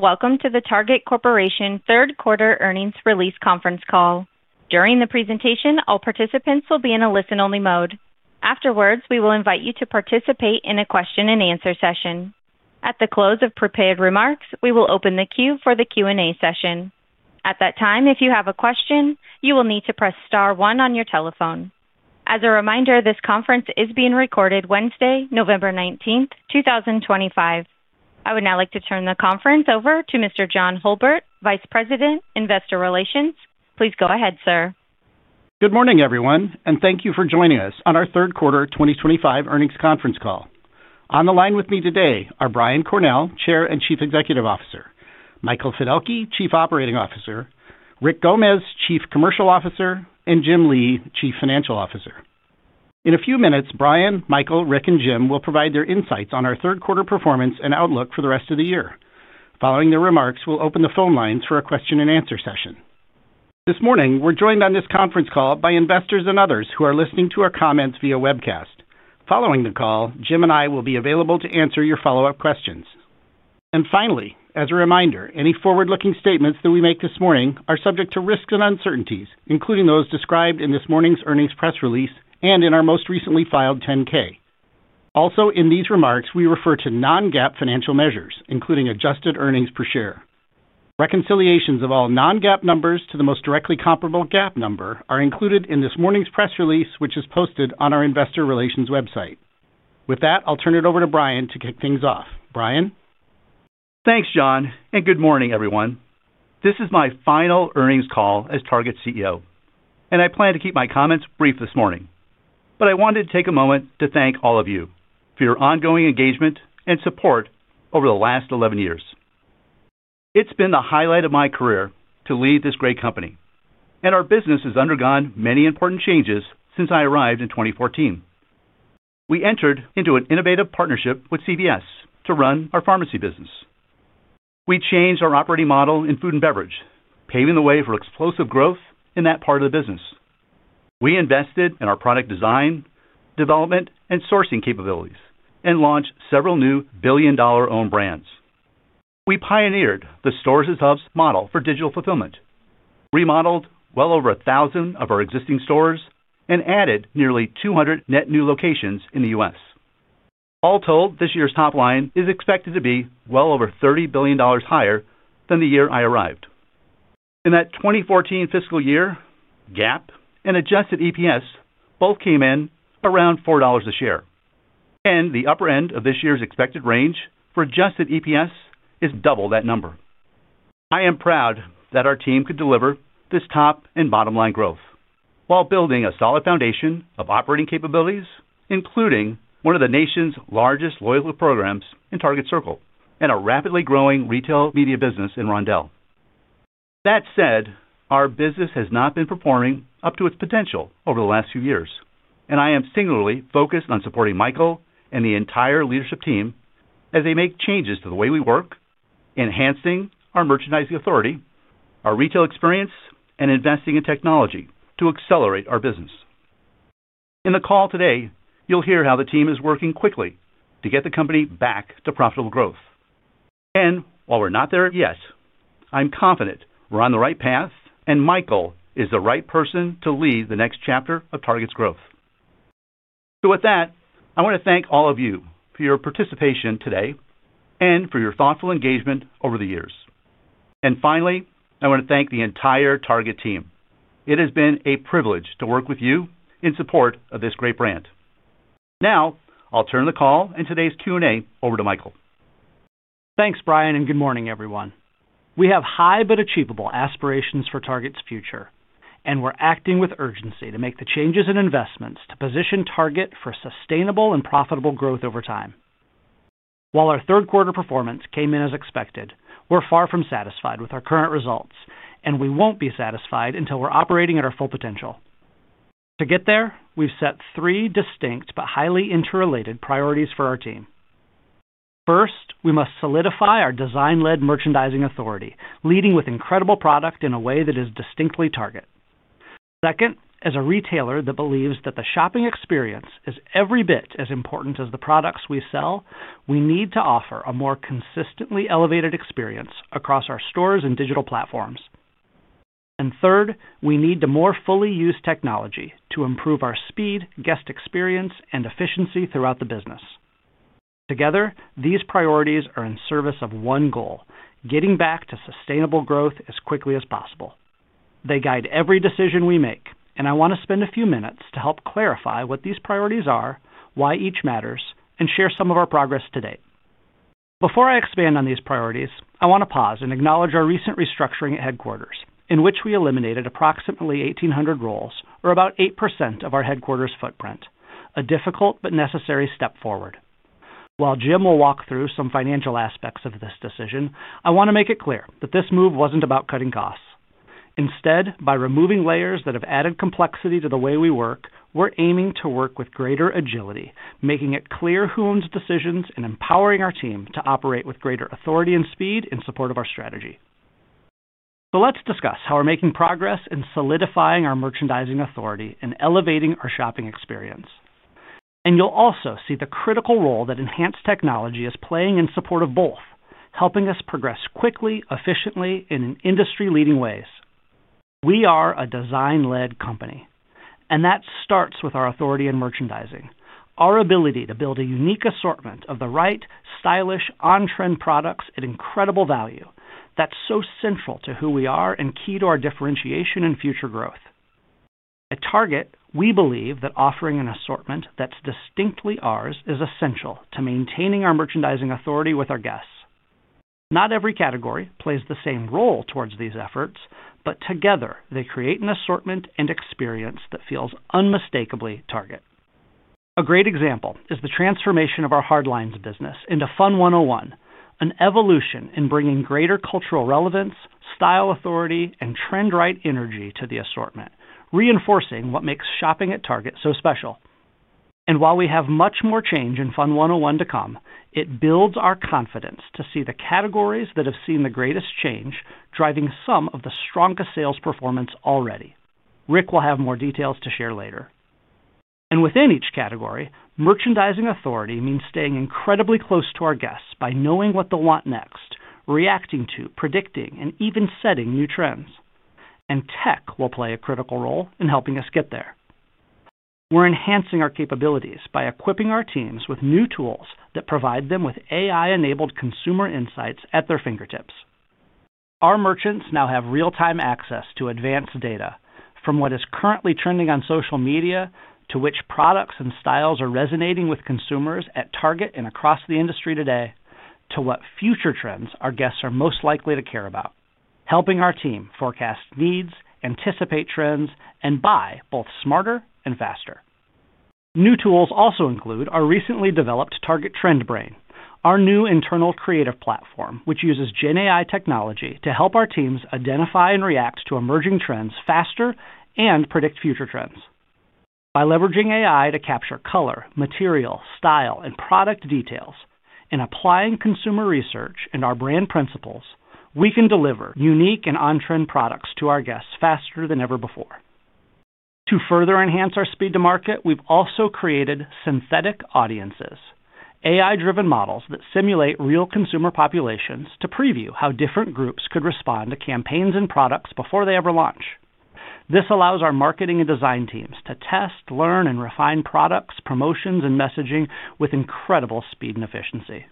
Welcome to the Target Corporation Third Quarter Earnings Release Conference Call. During the presentation, all participants will be in a listen-only mode. Afterwards, we will invite you to participate in a question-and-answer session. At the close of prepared remarks, we will open the queue for the Q&A session. At that time, if you have a question, you will need to press star one on your telephone. As a reminder, this conference is being recorded Wednesday, November 19th, 2025. I would now like to turn the conference over to Mr. John Hulbert, Vice President, Investor Relations. Please go ahead, sir. Good morning, everyone, and thank you for joining us on our Third Quarter 2025 Earnings Conference Call. On the line with me today are Brian Cornell, Chair and Chief Executive Officer; Michael Fiddelke, Chief Operating Officer; Rick Gomez, Chief Commercial Officer; and Jim Lee, Chief Financial Officer. In a few minutes, Brian, Michael, Rick, and Jim will provide their insights on our third quarter performance and outlook for the rest of the year. Following their remarks, we'll open the phone lines for a question-and-answer session. This morning, we're joined on this conference call by investors and others who are listening to our comments via webcast. Following the call, Jim and I will be available to answer your follow-up questions. Finally, as a reminder, any forward-looking statements that we make this morning are subject to risks and uncertainties, including those described in this morning's earnings press release and in our most recently filed 10-K. Also, in these remarks, we refer to non-GAAP financial measures, including adjusted earnings per share. Reconciliations of all non-GAAP numbers to the most directly comparable GAAP number are included in this morning's press release, which is posted on our investor relations website. With that, I'll turn it over to Brian to kick things off. Brian? Thanks, John, and good morning, everyone. This is my final earnings call as Target CEO, and I plan to keep my comments brief this morning, but I wanted to take a moment to thank all of you for your ongoing engagement and support over the last 11 years. It's been the highlight of my career to lead this great company, and our business has undergone many important changes since I arrived in 2014. We entered into an innovative partnership with CVS to run our pharmacy business. We changed our operating model in food and beverage, paving the way for explosive growth in that part of the business. We invested in our product design, development, and sourcing capabilities, and launched several new billion-dollar-owned brands. We pioneered the stores as hubs model for digital fulfillment, remodeled well over 1,000 of our existing stores, and added nearly 200 net new locations in the US. All told, this year's top line is expected to be well over $30 billion higher than the year I arrived. In that 2014 fiscal year, GAAP and adjusted EPS both came in around $4 a share, and the upper end of this year's expected range for adjusted EPS is double that number. I am proud that our team could deliver this top and bottom line growth while building a solid foundation of operating capabilities, including one of the nation's largest loyalty programs in Target Circle and a rapidly growing retail media business in Roundel. That said, our business has not been performing up to its potential over the last few years, and I am singularly focused on supporting Michael and the entire leadership team as they make changes to the way we work, enhancing our merchandising authority, our retail experience, and investing in technology to accelerate our business. In the call today, you'll hear how the team is working quickly to get the company back to profitable growth. While we're not there yet, I'm confident we're on the right path, and Michael is the right person to lead the next chapter of Target's growth. With that, I want to thank all of you for your participation today and for your thoughtful engagement over the years. Finally, I want to thank the entire Target team. It has been a privilege to work with you in support of this great brand. Now, I'll turn the call and today's Q&A over to Michael. Thanks, Brian, and good morning, everyone. We have high but achievable aspirations for Target's future, and we're acting with urgency to make the changes and investments to position Target for sustainable and profitable growth over time. While our third quarter performance came in as expected, we're far from satisfied with our current results, and we won't be satisfied until we're operating at our full potential. To get there, we've set three distinct but highly interrelated priorities for our team. First, we must solidify our design-led merchandising authority, leading with incredible product in a way that is distinctly Target. Second, as a retailer that believes that the shopping experience is every bit as important as the products we sell, we need to offer a more consistently elevated experience across our stores and digital platforms. Third, we need to more fully use technology to improve our speed, guest experience, and efficiency throughout the business. Together, these priorities are in service of one goal: getting back to sustainable growth as quickly as possible. They guide every decision we make, and I want to spend a few minutes to help clarify what these priorities are, why each matters, and share some of our progress to date. Before I expand on these priorities, I want to pause and acknowledge our recent restructuring at headquarters, in which we eliminated approximately 1,800 roles, or about 8% of our headquarters' footprint, a difficult but necessary step forward. While Jim will walk through some financial aspects of this decision, I want to make it clear that this move was not about cutting costs. Instead, by removing layers that have added complexity to the way we work, we're aiming to work with greater agility, making it clear who owns decisions and empowering our team to operate with greater authority and speed in support of our strategy. Let's discuss how we're making progress in solidifying our merchandising authority and elevating our shopping experience. You'll also see the critical role that enhanced technology is playing in support of both, helping us progress quickly, efficiently, and in industry-leading ways. We are a design-led company, and that starts with our authority in merchandising, our ability to build a unique assortment of the right, stylish, on-trend products at incredible value that's so central to who we are and key to our differentiation and future growth. At Target, we believe that offering an assortment that's distinctly ours is essential to maintaining our merchandising authority with our guests. Not every category plays the same role towards these efforts, but together, they create an assortment and experience that feels unmistakably Target. A great example is the transformation of our hardlines business into FUN 101, an evolution in bringing greater cultural relevance, style authority, and trend-right energy to the assortment, reinforcing what makes shopping at Target so special. While we have much more change in FUN 101 to come, it builds our confidence to see the categories that have seen the greatest change driving some of the strongest sales performance already. Rick will have more details to share later. Within each category, merchandising authority means staying incredibly close to our guests by knowing what they'll want next, reacting to, predicting, and even setting new trends. Tech will play a critical role in helping us get there. We're enhancing our capabilities by equipping our teams with new tools that provide them with AI-enabled consumer insights at their fingertips. Our merchants now have real-time access to advanced data, from what is currently trending on social media to which products and styles are resonating with consumers at Target and across the industry today, to what future trends our guests are most likely to care about, helping our team forecast needs, anticipate trends, and buy both smarter and faster. New tools also include our recently developed Target Trend Brain, our new internal creative platform, which uses GenAI technology to help our teams identify and react to emerging trends faster and predict future trends. By leveraging AI to capture color, material, style, and product details, and applying consumer research and our brand principles, we can deliver unique and on-trend products to our guests faster than ever before. To further enhance our speed to market, we've also created synthetic audiences, AI-driven models that simulate real consumer populations to preview how different groups could respond to campaigns and products before they ever launch. This allows our marketing and design teams to test, learn, and refine products, promotions, and messaging with incredible speed and efficiency.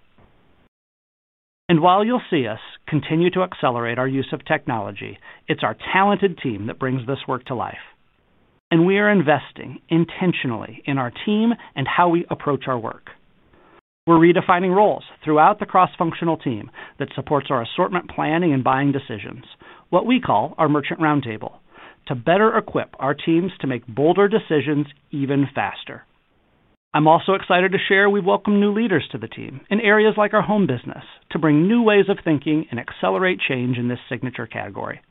You will see us continue to accelerate our use of technology. It is our talented team that brings this work to life. We are investing intentionally in our team and how we approach our work. We're redefining roles throughout the cross-functional team that supports our assortment planning and buying decisions, what we call our merchant roundtable, to better equip our teams to make bolder decisions even faster. I'm also excited to share we welcome new leaders to the team in areas like our home business to bring new ways of thinking and accelerate change in this signature category.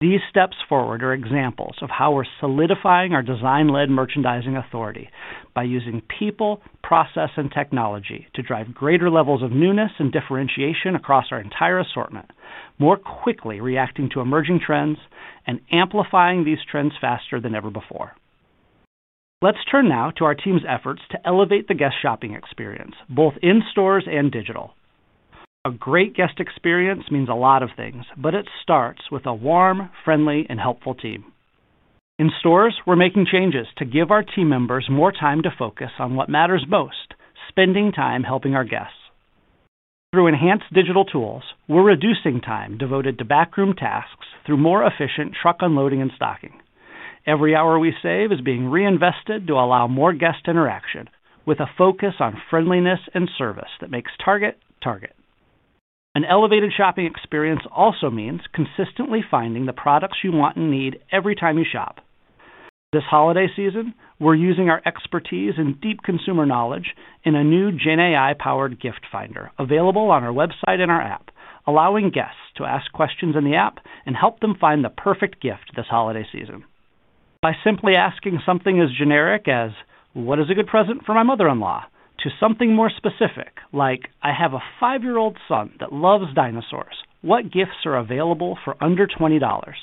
These steps forward are examples of how we're solidifying our design-led merchandising authority by using people, process, and technology to drive greater levels of newness and differentiation across our entire assortment, more quickly reacting to emerging trends and amplifying these trends faster than ever before. Let's turn now to our team's efforts to elevate the guest shopping experience, both in stores and digital. A great guest experience means a lot of things, but it starts with a warm, friendly, and helpful team. In stores, we're making changes to give our team members more time to focus on what matters most, spending time helping our guests. Through enhanced digital tools, we're reducing time devoted to backroom tasks through more efficient truck unloading and stocking. Every hour we save is being reinvested to allow more guest interaction with a focus on friendliness and service that makes Target Target. An elevated shopping experience also means consistently finding the products you want and need every time you shop. This holiday season, we're using our expertise and deep consumer knowledge in a new GenAI-powered gift finder available on our website and our app, allowing guests to ask questions in the app and help them find the perfect gift this holiday season. By simply asking something as generic as, "What is a good present for my mother-in-law?" to something more specific, like, "I have a five-year-old son that loves dinosaurs, what gifts are available for under $20?"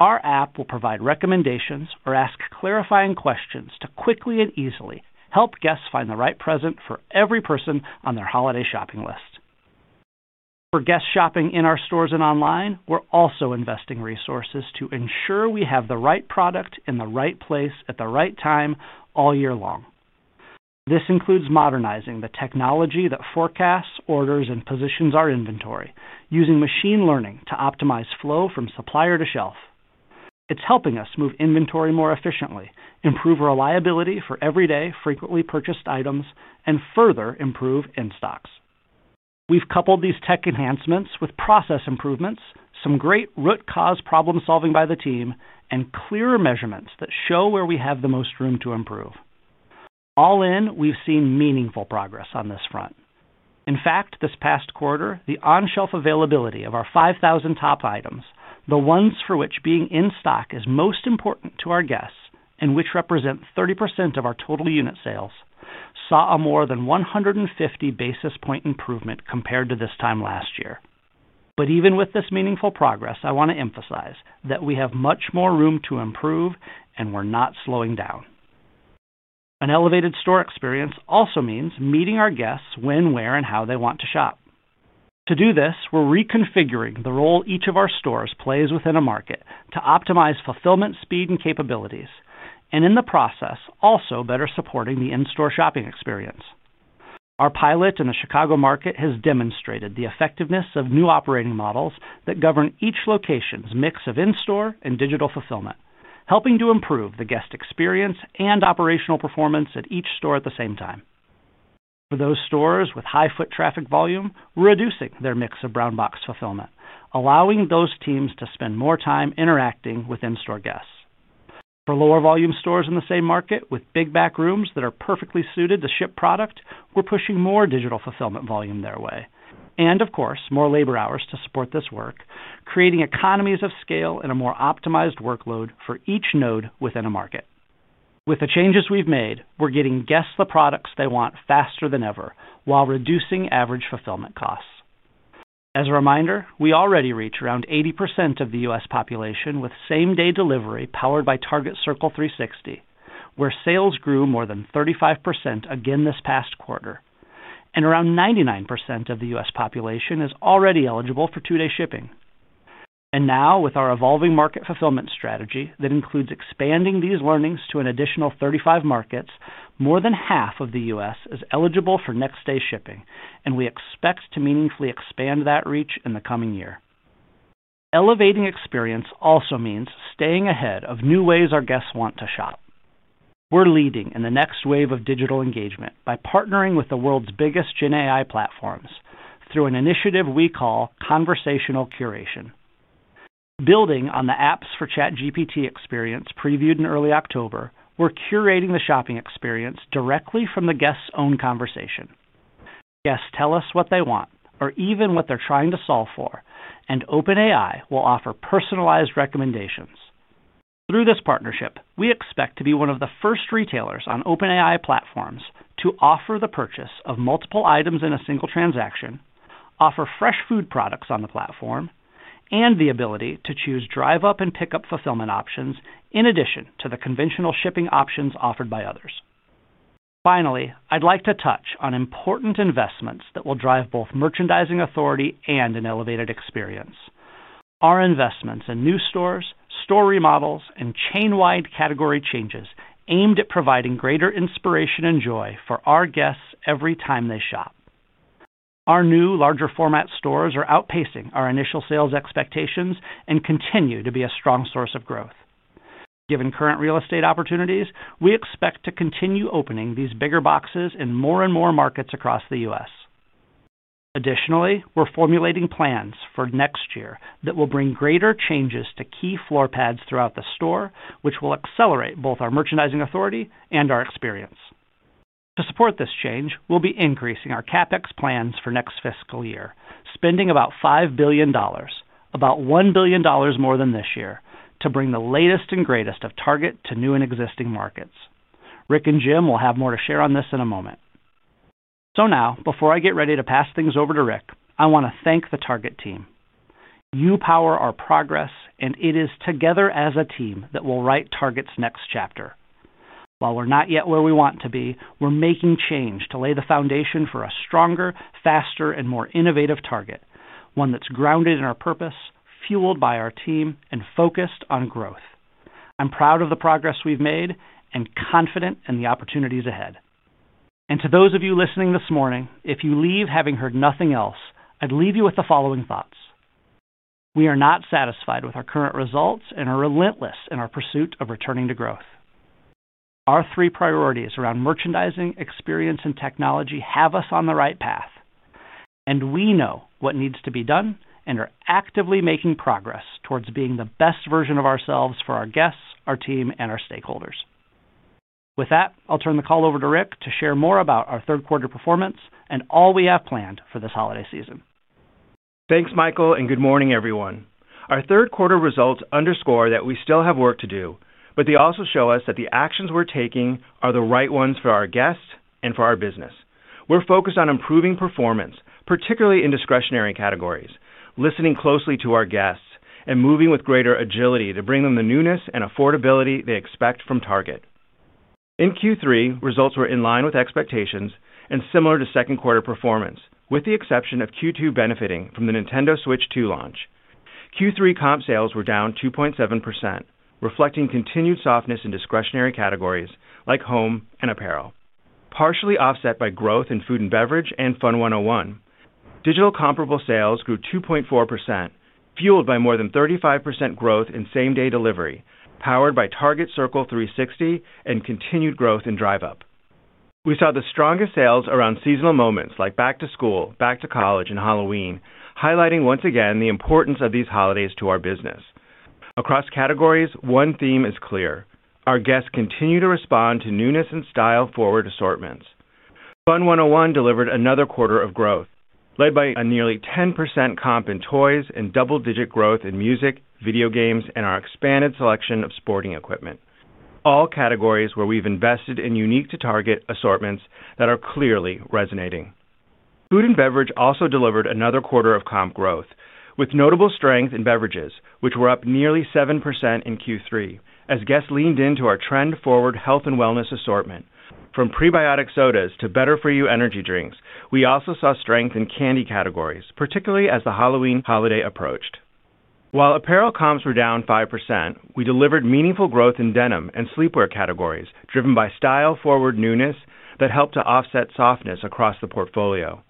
our app will provide recommendations or ask clarifying questions to quickly and easily help guests find the right present for every person on their holiday shopping list. For guests shopping in our stores and online, we're also investing resources to ensure we have the right product in the right place at the right time all year long. This includes modernizing the technology that forecasts, orders, and positions our inventory, using machine learning to optimize flow from supplier to shelf. It's helping us move inventory more efficiently, improve reliability for everyday frequently purchased items, and further improve in stocks. We've coupled these tech enhancements with process improvements, some great root cause problem-solving by the team, and clearer measurements that show where we have the most room to improve. All in, we've seen meaningful progress on this front. In fact, this past quarter, the on-shelf availability of our 5,000 top items, the ones for which being in stock is most important to our guests and which represent 30% of our total unit sales, saw a more than 150 basis point improvement compared to this time last year. Even with this meaningful progress, I want to emphasize that we have much more room to improve, and we're not slowing down. An elevated store experience also means meeting our guests when, where, and how they want to shop. To do this, we're reconfiguring the role each of our stores plays within a market to optimize fulfillment speed and capabilities, and in the process, also better supporting the in-store shopping experience. Our pilot in the Chicago market has demonstrated the effectiveness of new operating models that govern each location's mix of in-store and digital fulfillment, helping to improve the guest experience and operational performance at each store at the same time. For those stores with high foot traffic volume, we're reducing their mix of brown box fulfillment, allowing those teams to spend more time interacting with in-store guests. For lower volume stores in the same market with big back rooms that are perfectly suited to ship product, we're pushing more digital fulfillment volume their way. Of course, more labor hours to support this work, creating economies of scale and a more optimized workload for each node within a market. With the changes we've made, we're getting guests the products they want faster than ever while reducing average fulfillment costs. As a reminder, we already reach around 80% of the U.S. population with same-day delivery powered by Target Circle 360, where sales grew more than 35% again this past quarter. Around 99% of the U.S. population is already eligible for two-day shipping. Now, with our evolving market fulfillment strategy that includes expanding these learnings to an additional 35 markets, more than half of the U.S. is eligible for next-day shipping, and we expect to meaningfully expand that reach in the coming year. Elevating experience also means staying ahead of new ways our guests want to shop. We're leading in the next wave of digital engagement by partnering with the world's biggest GenAI platforms through an initiative we call conversational curation. Building on the apps for ChatGPT experience previewed in early October, we're curating the shopping experience directly from the guests' own conversation. Guests tell us what they want or even what they're trying to solve for, and OpenAI will offer personalized recommendations. Through this partnership, we expect to be one of the first retailers on OpenAI platforms to offer the purchase of multiple items in a single transaction, offer fresh food products on the platform, and the ability to choose drive-up and pickup fulfillment options in addition to the conventional shipping options offered by others. Finally, I'd like to touch on important investments that will drive both merchandising authority and an elevated experience. Our investments in new stores, store remodels, and chain-wide category changes aimed at providing greater inspiration and joy for our guests every time they shop. Our new, larger-format stores are outpacing our initial sales expectations and continue to be a strong source of growth. Given current real estate opportunities, we expect to continue opening these bigger boxes in more and more markets across the U.S. Additionally, we're formulating plans for next year that will bring greater changes to key floor pads throughout the store, which will accelerate both our merchandising authority and our experience. To support this change, we'll be increasing our CapEx plans for next fiscal year, spending about $5 billion, about $1 billion more than this year, to bring the latest and greatest of Target to new and existing markets. Rick and Jim will have more to share on this in a moment. Now, before I get ready to pass things over to Rick, I want to thank the Target team. You power our progress, and it is together as a team that we'll write Target's next chapter. While we're not yet where we want to be, we're making change to lay the foundation for a stronger, faster, and more innovative Target, one that's grounded in our purpose, fueled by our team, and focused on growth. I'm proud of the progress we've made and confident in the opportunities ahead. To those of you listening this morning, if you leave having heard nothing else, I'd leave you with the following thoughts. We are not satisfied with our current results and are relentless in our pursuit of returning to growth. Our three priorities around merchandising, experience, and technology have us on the right path, and we know what needs to be done and are actively making progress towards being the best version of ourselves for our guests, our team, and our stakeholders. With that, I'll turn the call over to Rick to share more about our third-quarter performance and all we have planned for this holiday season. Thanks, Michael, and good morning, everyone. Our third-quarter results underscore that we still have work to do, but they also show us that the actions we're taking are the right ones for our guests and for our business. We're focused on improving performance, particularly in discretionary categories, listening closely to our guests, and moving with greater agility to bring them the newness and affordability they expect from Target. In Q3, results were in line with expectations and similar to second-quarter performance, with the exception of Q2 benefiting from the Nintendo Switch 2 launch. Q3 comp sales were down 2.7%, reflecting continued softness in discretionary categories like home and apparel. Partially offset by growth in food and beverage and Fun 101, digital comparable sales grew 2.4%, fueled by more than 35% growth in same-day delivery, powered by Target Circle 360 and continued growth in drive-up. We saw the strongest sales around seasonal moments like back to school, back to college, and Halloween, highlighting once again the importance of these holidays to our business. Across categories, one theme is clear. Our guests continue to respond to newness and style forward assortments. Fun 101 delivered another quarter of growth, led by a nearly 10% comp in toys and double-digit growth in music, video games, and our expanded selection of sporting equipment. All categories where we've invested in unique to Target assortments that are clearly resonating. Food and beverage also delivered another quarter of comp growth, with notable strength in beverages, which were up nearly 7% in Q3, as guests leaned into our trend-forward health and wellness assortment. From prebiotic sodas to better-for-you energy drinks, we also saw strength in candy categories, particularly as the Halloween holiday approached. While apparel comps were down 5%, we delivered meaningful growth in denim and sleepwear categories, driven by style-forward newness that helped to offset softness across the portfolio.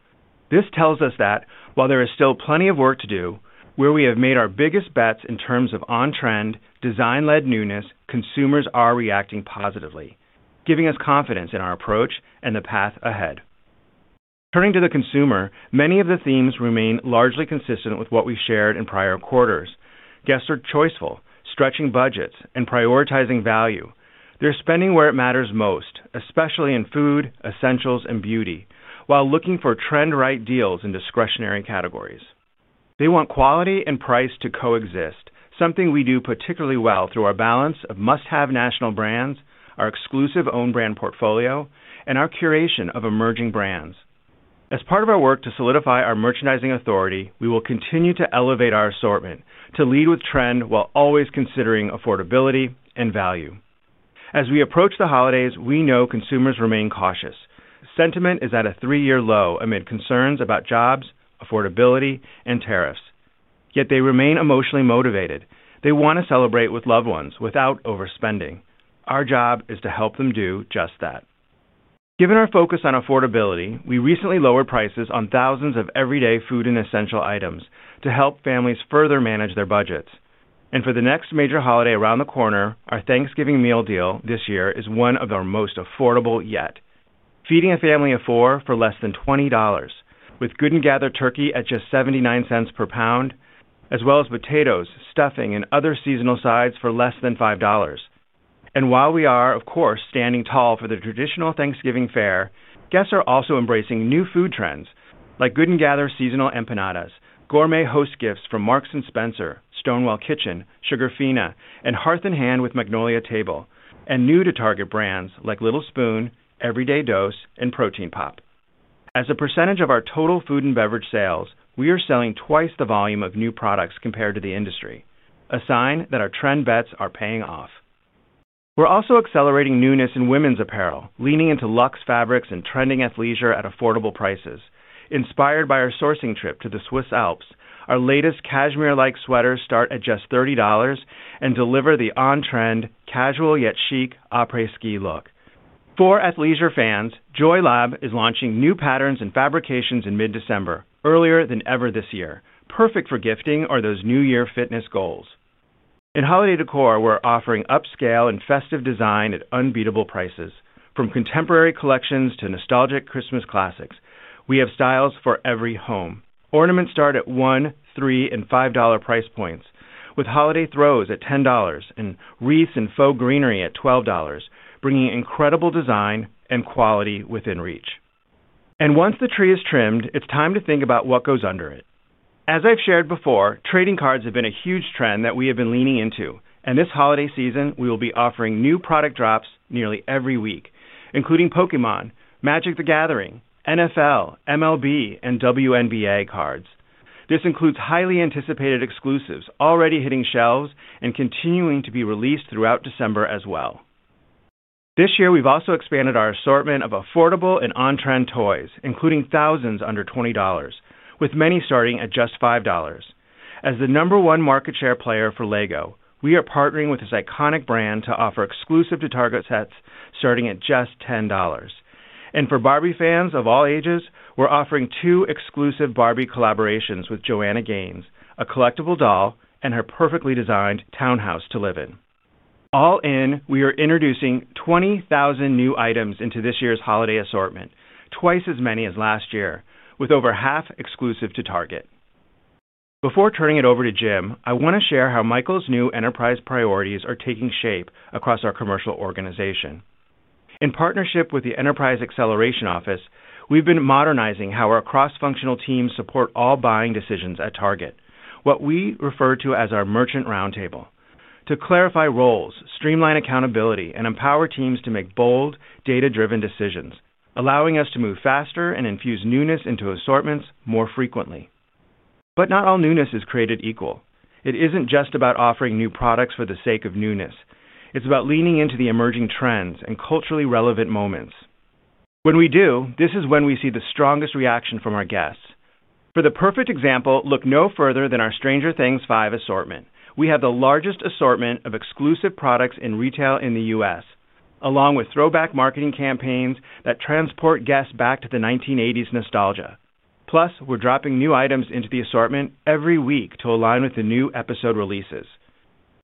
This tells us that while there is still plenty of work to do, where we have made our biggest bets in terms of on-trend, design-led newness, consumers are reacting positively, giving us confidence in our approach and the path ahead. Turning to the consumer, many of the themes remain largely consistent with what we shared in prior quarters. Guests are choiceful, stretching budgets and prioritizing value. They're spending where it matters most, especially in food, essentials, and beauty, while looking for trend-right deals in discretionary categories. They want quality and price to coexist, something we do particularly well through our balance of must-have national brands, our exclusive owned brand portfolio, and our curation of emerging brands. As part of our work to solidify our merchandising authority, we will continue to elevate our assortment to lead with trend while always considering affordability and value. As we approach the holidays, we know consumers remain cautious. Sentiment is at a three-year low amid concerns about jobs, affordability, and tariffs. Yet they remain emotionally motivated. They want to celebrate with loved ones without overspending. Our job is to help them do just that. Given our focus on affordability, we recently lowered prices on thousands of everyday food and essential items to help families further manage their budgets. For the next major holiday around the corner, our Thanksgiving meal deal this year is one of the most affordable yet, feeding a family of four for less than $20, with Good & Gather turkey at just 79 cents per pound, as well as potatoes, stuffing, and other seasonal sides for less than $5. While we are, of course, standing tall for the traditional Thanksgiving fare, guests are also embracing new food trends like Good & Gather seasonal empanadas, gourmet host gifts from Marks & Spencer, Stonewall Kitchen, Sugarfina, and Hearth & Hand™ with Magnolia Table, and new to Target brands like Little Spoon, Everyday Dose, and Protein Pop. As a percentage of our total food and beverage sales, we are selling twice the volume of new products compared to the industry, a sign that our trend bets are paying off. We're also accelerating newness in women's apparel, leaning into luxe fabrics and trending athleisure at affordable prices. Inspired by our sourcing trip to the Swiss Alps, our latest cashmere-like sweaters start at just $30 and deliver the on-trend, casual yet chic après-ski look. For athleisure fans, JoyLab is launching new patterns and fabrications in mid-December, earlier than ever this year, perfect for gifting or those New Year fitness goals. In holiday decor, we're offering upscale and festive design at unbeatable prices. From contemporary collections to nostalgic Christmas classics, we have styles for every home. Ornaments start at $1, $3, and $5 price points, with holiday throws at $10 and wreaths and faux greenery at $12, bringing incredible design and quality within reach. Once the tree is trimmed, it's time to think about what goes under it. As I've shared before, trading cards have been a huge trend that we have been leaning into, and this holiday season, we will be offering new product drops nearly every week, including Pokémon, Magic: The Gathering, NFL, MLB, and WNBA cards. This includes highly anticipated exclusives already hitting shelves and continuing to be released throughout December as well. This year, we've also expanded our assortment of affordable and on-trend toys, including thousands under $20, with many starting at just $5. As the number one market share player for LEGO, we are partnering with this iconic brand to offer exclusive to Target sets starting at just $10. For Barbie fans of all ages, we're offering two exclusive Barbie collaborations with Joanna Gaines, a collectible doll and her perfectly designed townhouse to live in. All in, we are introducing 20,000 new items into this year's holiday assortment, twice as many as last year, with over half exclusive to Target. Before turning it over to Jim, I want to share how Michael's new enterprise priorities are taking shape across our commercial organization. In partnership with the Enterprise Acceleration Office, we've been modernizing how our cross-functional teams support all buying decisions at Target, what we refer to as our merchant roundtable. To clarify roles, streamline accountability, and empower teams to make bold, data-driven decisions, allowing us to move faster and infuse newness into assortments more frequently. Not all newness is created equal. It isn't just about offering new products for the sake of newness. It's about leaning into the emerging trends and culturally relevant moments. When we do, this is when we see the strongest reaction from our guests. For the perfect example, look no further than our Stranger Things 5 assortment. We have the largest assortment of exclusive products in retail in the U.S., along with throwback marketing campaigns that transport guests back to the 1980s nostalgia. Plus, we're dropping new items into the assortment every week to align with the new episode releases.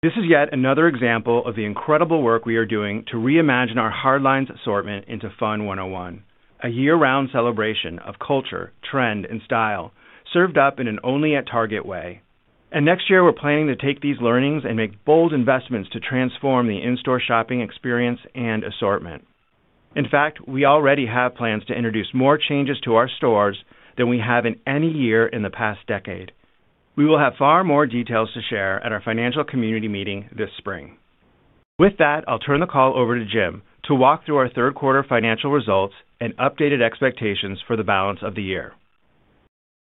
This is yet another example of the incredible work we are doing to reimagine our hardlines assortment into FUN 101, a year-round celebration of culture, trend, and style, served up in an only-at-Target way. Next year, we're planning to take these learnings and make bold investments to transform the in-store shopping experience and assortment. In fact, we already have plans to introduce more changes to our stores than we have in any year in the past decade. We will have far more details to share at our financial community meeting this spring. With that, I'll turn the call over to Jim to walk through our third-quarter financial results and updated expectations for the balance of the year.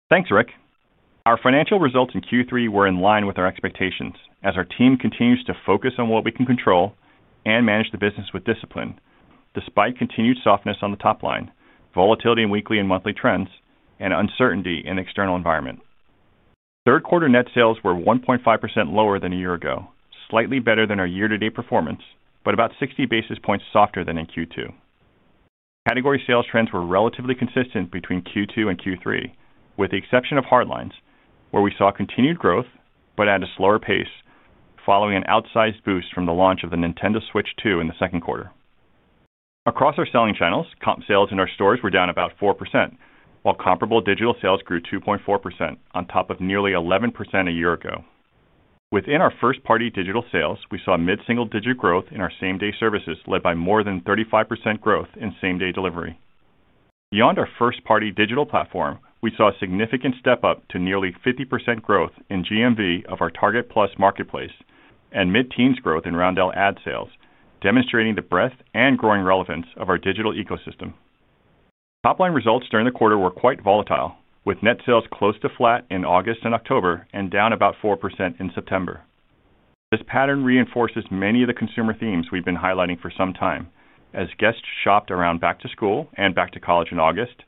Thanks, Rick. Our financial results in Q3 were in line with our expectations as our team continues to focus on what we can control and manage the business with discipline despite continued softness on the top line, volatility in weekly and monthly trends, and uncertainty in the external environment. Third-quarter net sales were 1.5% lower than a year ago, slightly better than our year-to-date performance, but about 60 basis points softer than in Q2. Category sales trends were relatively consistent between Q2 and Q3, with the exception of hardlines, where we saw continued growth but at a slower pace following an outsized boost from the launch of the Nintendo Switch 2 in the second quarter. Across our selling channels, comp sales in our stores were down about 4%, while comparable digital sales grew 2.4% on top of nearly 11% a year ago. Within our first-party digital sales, we saw mid-single-digit growth in our same-day services led by more than 35% growth in same-day delivery. Beyond our first-party digital platform, we saw a significant step up to nearly 50% growth in GMV of our Target Plus marketplace and mid-teens growth in Roundel ad sales, demonstrating the breadth and growing relevance of our digital ecosystem. Top-line results during the quarter were quite volatile, with net sales close to flat in August and October and down about 4% in September. This pattern reinforces many of the consumer themes we've been highlighting for some time, as guests shopped around back to school and back to college in August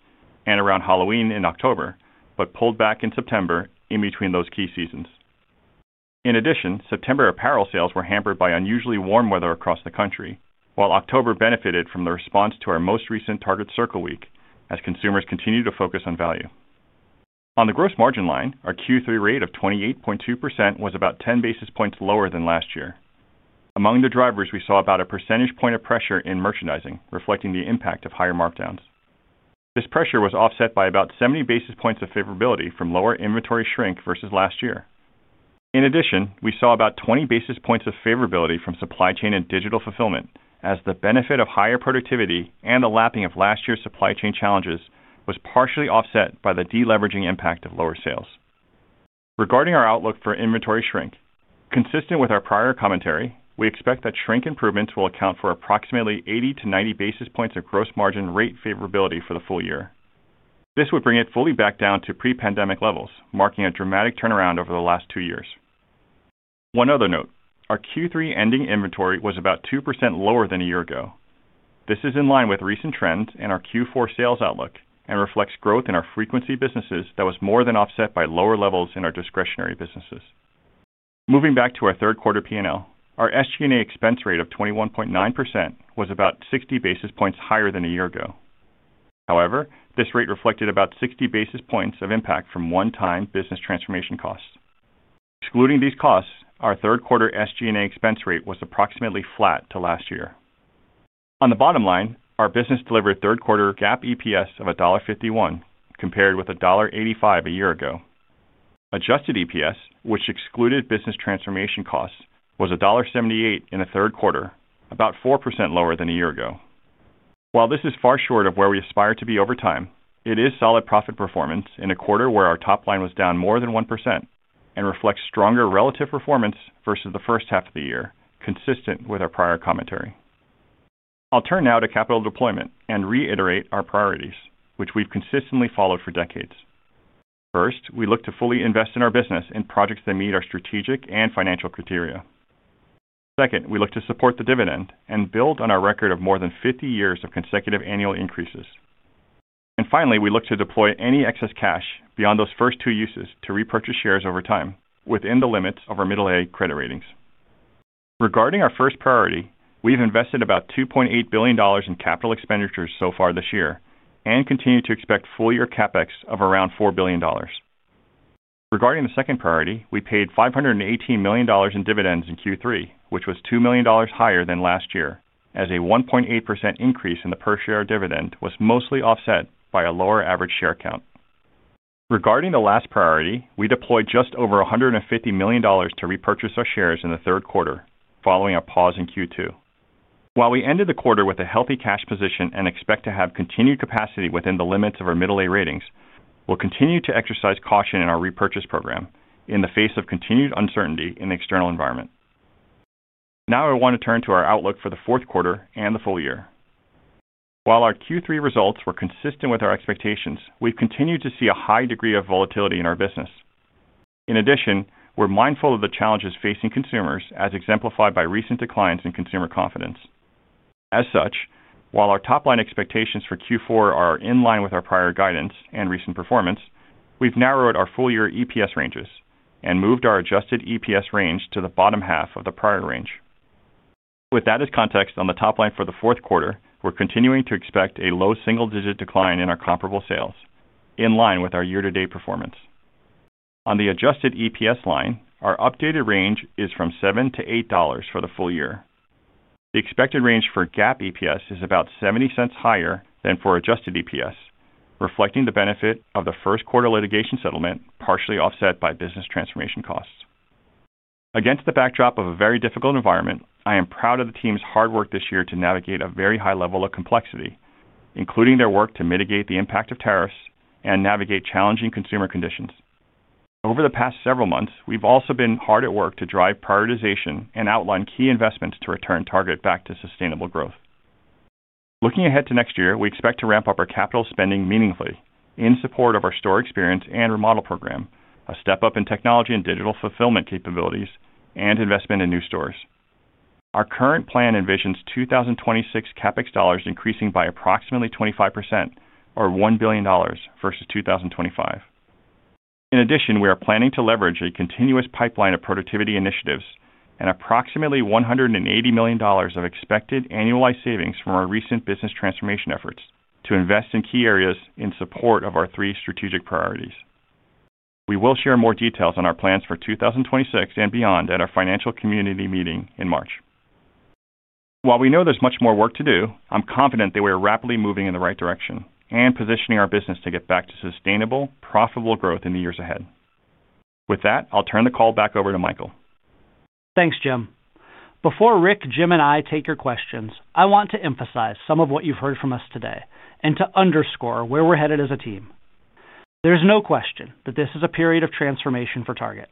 and around Halloween in October, but pulled back in September in between those key seasons. In addition, September apparel sales were hampered by unusually warm weather across the country, while October benefited from the response to our most recent Target Circle week as consumers continued to focus on value. On the gross margin line, our Q3 rate of 28.2% was about 10 basis points lower than last year. Among the drivers, we saw about a percentage point of pressure in merchandising, reflecting the impact of higher markdowns. This pressure was offset by about 70 basis points of favorability from lower inventory shrink versus last year. In addition, we saw about 20 basis points of favorability from supply chain and digital fulfillment, as the benefit of higher productivity and the lapping of last year's supply chain challenges was partially offset by the deleveraging impact of lower sales. Regarding our outlook for inventory shrink, consistent with our prior commentary, we expect that shrink improvements will account for approximately 80-90 basis points of gross margin rate favorability for the full year. This would bring it fully back down to pre-pandemic levels, marking a dramatic turnaround over the last two years. One other note, our Q3 ending inventory was about 2% lower than a year ago. This is in line with recent trends in our Q4 sales outlook and reflects growth in our frequency businesses that was more than offset by lower levels in our discretionary businesses. Moving back to our third-quarter P&L, our SG&A expense rate of 21.9% was about 60 basis points higher than a year ago. However, this rate reflected about 60 basis points of impact from one-time business transformation costs. Excluding these costs, our third-quarter SG&A expense rate was approximately flat to last year. On the bottom line, our business delivered third-quarter GAAP EPS of $1.51 compared with $1.85 a year ago. Adjusted EPS, which excluded business transformation costs, was $1.78 in the third quarter, about 4% lower than a year ago. While this is far short of where we aspire to be over time, it is solid profit performance in a quarter where our top line was down more than 1% and reflects stronger relative performance versus the first half of the year, consistent with our prior commentary. I will turn now to capital deployment and reiterate our priorities, which we have consistently followed for decades. First, we look to fully invest in our business in projects that meet our strategic and financial criteria. Second, we look to support the dividend and build on our record of more than 50 years of consecutive annual increases. Finally, we look to deploy any excess cash beyond those first two uses to repurchase shares over time within the limits of our investment-grade credit ratings. Regarding our first priority, we've invested about $2.8 billion in capital expenditures so far this year and continue to expect full-year CapEx of around $4 billion. Regarding the second priority, we paid $518 million in dividends in Q3, which was $2 million higher than last year, as a 1.8% increase in the per-share dividend was mostly offset by a lower average share count. Regarding the last priority, we deployed just over $150 million to repurchase our shares in the third quarter following a pause in Q2. While we ended the quarter with a healthy cash position and expect to have continued capacity within the limits of our middle-aged ratings, we'll continue to exercise caution in our repurchase program in the face of continued uncertainty in the external environment. Now I want to turn to our outlook for the fourth quarter and the full year. While our Q3 results were consistent with our expectations, we've continued to see a high degree of volatility in our business. In addition, we're mindful of the challenges facing consumers as exemplified by recent declines in consumer confidence. As such, while our top-line expectations for Q4 are in line with our prior guidance and recent performance, we've narrowed our full-year EPS ranges and moved our adjusted EPS range to the bottom half of the prior range. With that as context, on the top line for the fourth quarter, we're continuing to expect a low single-digit decline in our comparable sales, in line with our year-to-date performance. On the adjusted EPS line, our updated range is from $7 to $8 for the full year. The expected range for GAAP EPS is about 70 cents higher than for adjusted EPS, reflecting the benefit of the first-quarter litigation settlement partially offset by business transformation costs. Against the backdrop of a very difficult environment, I am proud of the team's hard work this year to navigate a very high level of complexity, including their work to mitigate the impact of tariffs and navigate challenging consumer conditions. Over the past several months, we've also been hard at work to drive prioritization and outline key investments to return Target back to sustainable growth. Looking ahead to next year, we expect to ramp up our capital spending meaningfully in support of our store experience and remodel program, a step up in technology and digital fulfillment capabilities, and investment in new stores. Our current plan envisions 2026 CapEx dollars increasing by approximately 25% or $1 billion versus 2025. In addition, we are planning to leverage a continuous pipeline of productivity initiatives and approximately $180 million of expected annualized savings from our recent business transformation efforts to invest in key areas in support of our three strategic priorities. We will share more details on our plans for 2026 and beyond at our financial community meeting in March. While we know there's much more work to do, I'm confident that we are rapidly moving in the right direction and positioning our business to get back to sustainable, profitable growth in the years ahead. With that, I'll turn the call back over to Michael. Thanks, Jim. Before Rick, Jim, and I take your questions, I want to emphasize some of what you've heard from us today and to underscore where we're headed as a team. There's no question that this is a period of transformation for Target.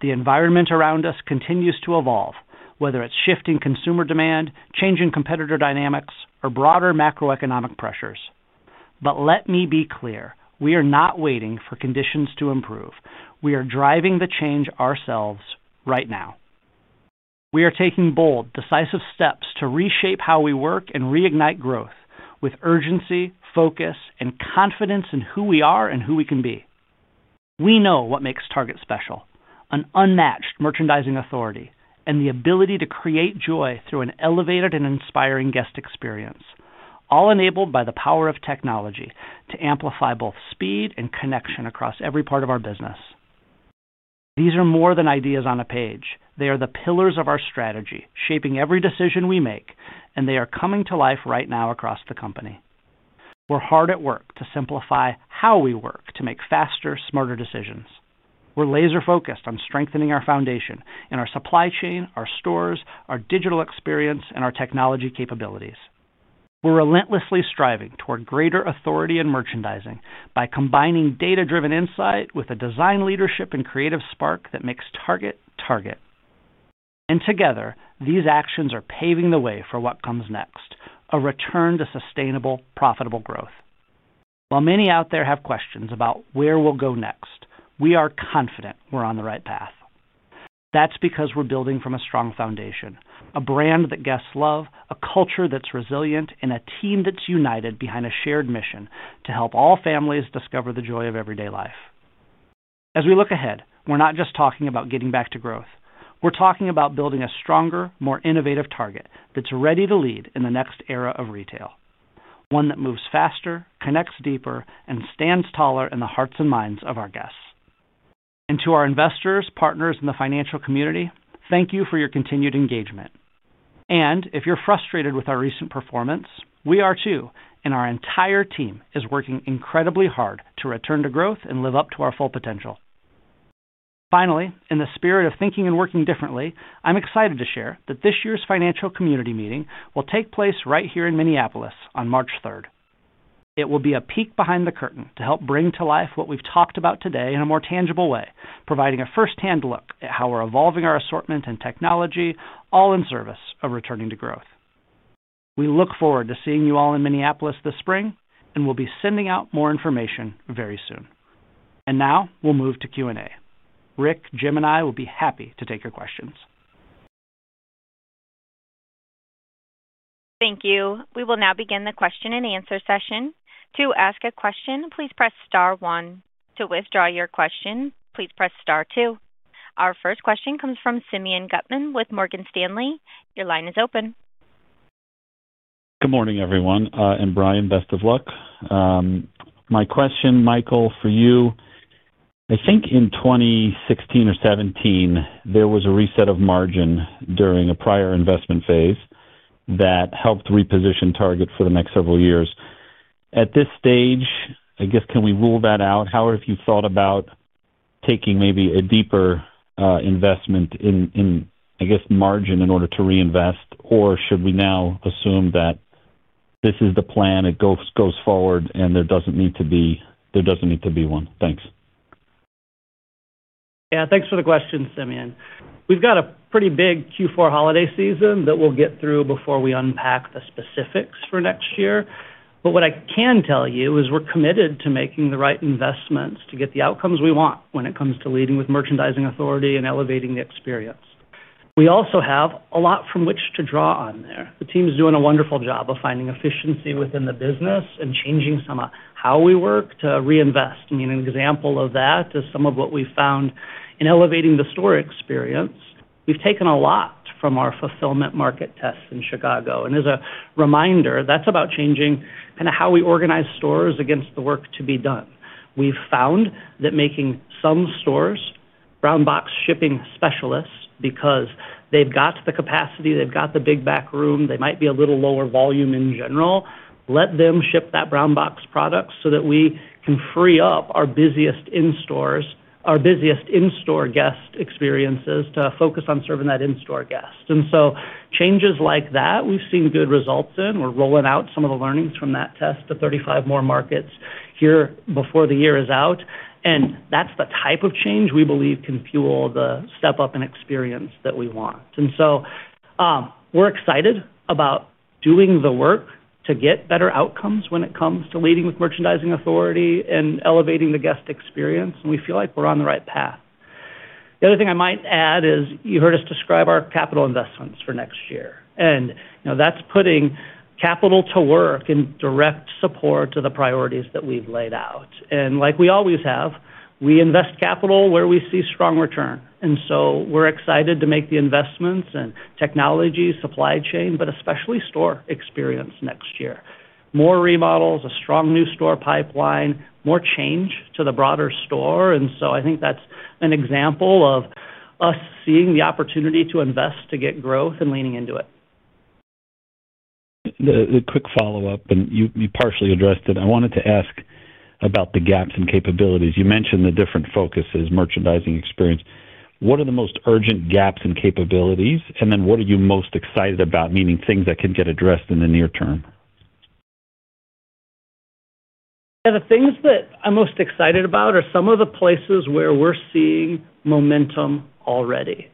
The environment around us continues to evolve, whether it's shifting consumer demand, changing competitor dynamics, or broader macroeconomic pressures. Let me be clear, we are not waiting for conditions to improve. We are driving the change ourselves right now. We are taking bold, decisive steps to reshape how we work and reignite growth with urgency, focus, and confidence in who we are and who we can be. We know what makes Target special: an unmatched merchandising authority and the ability to create joy through an elevated and inspiring guest experience, all enabled by the power of technology to amplify both speed and connection across every part of our business. These are more than ideas on a page. They are the pillars of our strategy, shaping every decision we make, and they are coming to life right now across the company. We're hard at work to simplify how we work to make faster, smarter decisions. We're laser-focused on strengthening our foundation in our supply chain, our stores, our digital experience, and our technology capabilities. We're relentlessly striving toward greater authority in merchandising by combining data-driven insight with a design leadership and creative spark that makes Target Target. Together, these actions are paving the way for what comes next: a return to sustainable, profitable growth. While many out there have questions about where we'll go next, we are confident we're on the right path. That's because we're building from a strong foundation, a brand that guests love, a culture that's resilient, and a team that's united behind a shared mission to help all families discover the joy of everyday life. As we look ahead, we're not just talking about getting back to growth. We're talking about building a stronger, more innovative Target that's ready to lead in the next era of retail, one that moves faster, connects deeper, and stands taller in the hearts and minds of our guests. To our investors, partners, and the financial community, thank you for your continued engagement. If you're frustrated with our recent performance, we are too, and our entire team is working incredibly hard to return to growth and live up to our full potential. Finally, in the spirit of thinking and working differently, I'm excited to share that this year's financial community meeting will take place right here in Minneapolis on March 3rd. It will be a peek behind the curtain to help bring to life what we've talked about today in a more tangible way, providing a firsthand look at how we're evolving our assortment and technology, all in service of returning to growth. We look forward to seeing you all in Minneapolis this spring, and we'll be sending out more information very soon. We will now move to Q&A. Rick, Jim, and I will be happy to take your questions. Thank you. We will now begin the question and answer session. To ask a question, please press star one. To withdraw your question, please press star two. Our first question comes from Simeon Gutman with Morgan Stanley. Your line is open. Good morning, everyone. I'm Brian. Best of luck. My question, Michael, for you, I think in 2016 or 2017, there was a reset of margin during a prior investment phase that helped reposition Target for the next several years. At this stage, I guess, can we rule that out? How have you thought about taking maybe a deeper investment in, I guess, margin in order to reinvest? Or should we now assume that this is the plan, it goes forward, and there does not need to be one? Thanks. Yeah, thanks for the question, Simeon. We have got a pretty big Q4 holiday season that we will get through before we unpack the specifics for next year. What I can tell you is we are committed to making the right investments to get the outcomes we want when it comes to leading with merchandising authority and elevating the experience. We also have a lot from which to draw on there. The team's doing a wonderful job of finding efficiency within the business and changing some of how we work to reinvest. I mean, an example of that is some of what we found in elevating the store experience. We've taken a lot from our fulfillment market tests in Chicago. As a reminder, that's about changing kind of how we organize stores against the work to be done. We've found that making some stores brown box shipping specialists because they've got the capacity, they've got the big back room, they might be a little lower volume in general, let them ship that brown box product so that we can free up our busiest in-store guest experiences to focus on serving that in-store guest. Changes like that, we've seen good results in. We're rolling out some of the learnings from that test to 35 more markets here before the year is out. That is the type of change we believe can fuel the step up in experience that we want. We are excited about doing the work to get better outcomes when it comes to leading with merchandising authority and elevating the guest experience. We feel like we're on the right path. The other thing I might add is you heard us describe our capital investments for next year. That is putting capital to work in direct support to the priorities that we've laid out. Like we always have, we invest capital where we see strong return. We are excited to make the investments in technology, supply chain, but especially store experience next year. More remodels, a strong new store pipeline, more change to the broader store. I think that's an example of us seeing the opportunity to invest to get growth and leaning into it. The quick follow-up, and you partially addressed it, I wanted to ask about the gaps and capabilities. You mentioned the different focuses, merchandising experience. What are the most urgent gaps and capabilities? And then what are you most excited about, meaning things that can get addressed in the near term? Yeah, the things that I'm most excited about are some of the places where we're seeing momentum already.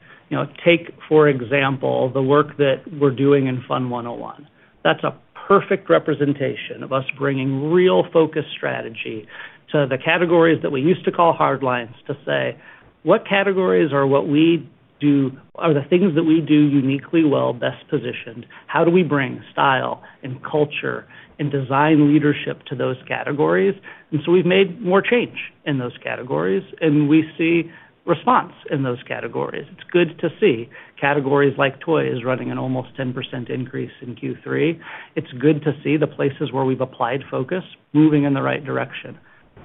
Take, for example, the work that we're doing in FUN 101. That's a perfect representation of us bringing real focus strategy to the categories that we used to call hardlines to say, "What categories are what we do, are the things that we do uniquely well, best positioned? How do we bring style and culture and design leadership to those categories? We have made more change in those categories, and we see response in those categories. It is good to see categories like toys running an almost 10% increase in Q3. It is good to see the places where we have applied focus moving in the right direction.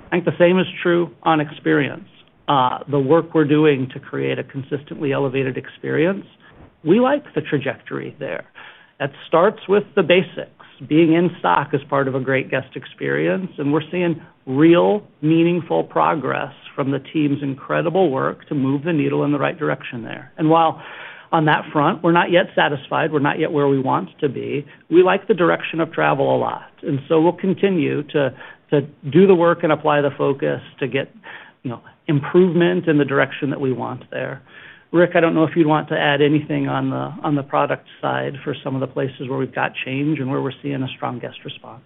I think the same is true on experience. The work we are doing to create a consistently elevated experience, we like the trajectory there. It starts with the basics, being in stock as part of a great guest experience. We are seeing real, meaningful progress from the team's incredible work to move the needle in the right direction there. While on that front, we are not yet satisfied, we are not yet where we want to be, we like the direction of travel a lot. We will continue to do the work and apply the focus to get improvement in the direction that we want there. Rick, I do not know if you would want to add anything on the product side for some of the places where we have got change and where we are seeing a strong guest response.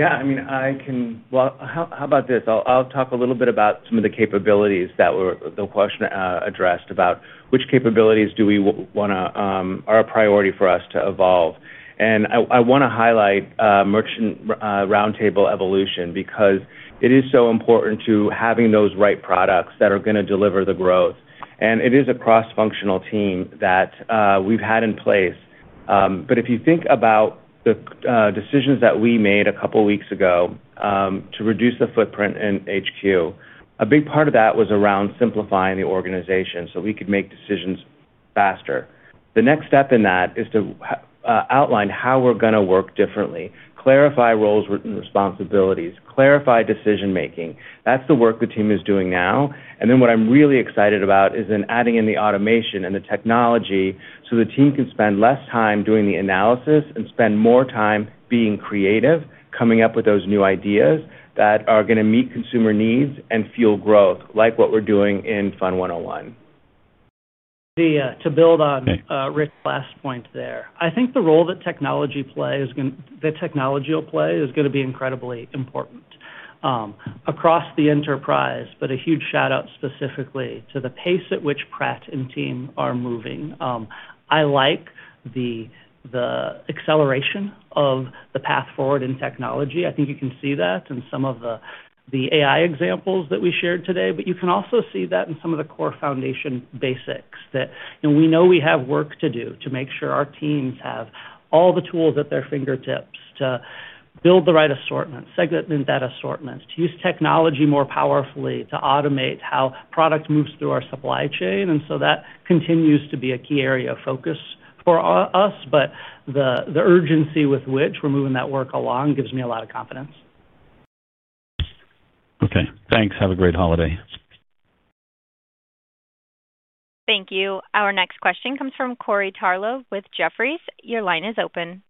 Yeah, I mean, I can, how about this? I will talk a little bit about some of the capabilities that were the question addressed about which capabilities do we want to are a priority for us to evolve. I want to highlight Merchant Roundtable evolution because it is so important to having those right products that are going to deliver the growth. It is a cross-functional team that we have had in place. If you think about the decisions that we made a couple of weeks ago to reduce the footprint in HQ, a big part of that was around simplifying the organization so we could make decisions faster. The next step in that is to outline how we're going to work differently, clarify roles and responsibilities, clarify decision-making. That's the work the team is doing now. What I'm really excited about is then adding in the automation and the technology so the team can spend less time doing the analysis and spend more time being creative, coming up with those new ideas that are going to meet consumer needs and fuel growth like what we're doing in FUN 101. To build on Rick's last point there, I think the role that technology plays, the technology will play, is going to be incredibly important across the enterprise, but a huge shout-out specifically to the pace at which Prat and team are moving. I like the acceleration of the path forward in technology. I think you can see that in some of the AI examples that we shared today, but you can also see that in some of the core foundation basics that we know we have work to do to make sure our teams have all the tools at their fingertips to build the right assortment, segment that assortment, use technology more powerfully to automate how product moves through our supply chain. That continues to be a key area of focus for us. But the urgency with which we're moving that work along gives me a lot of confidence. Okay. Thanks. Have a great holiday. Thank you. Our next question comes from Corey Tarlowe with Jefferies. Your line is open.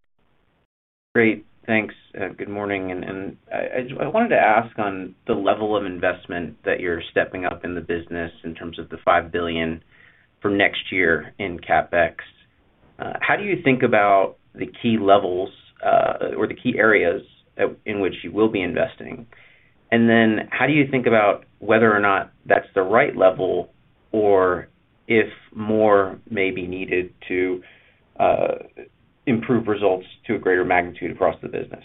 Great. Thanks. Good morning. And I wanted to ask on the level of investment that you're stepping up in the business in terms of the $5 billion for next year in CapEx. How do you think about the key levels or the key areas in which you will be investing? And then how do you think about whether or not that's the right level or if more may be needed to improve results to a greater magnitude across the business?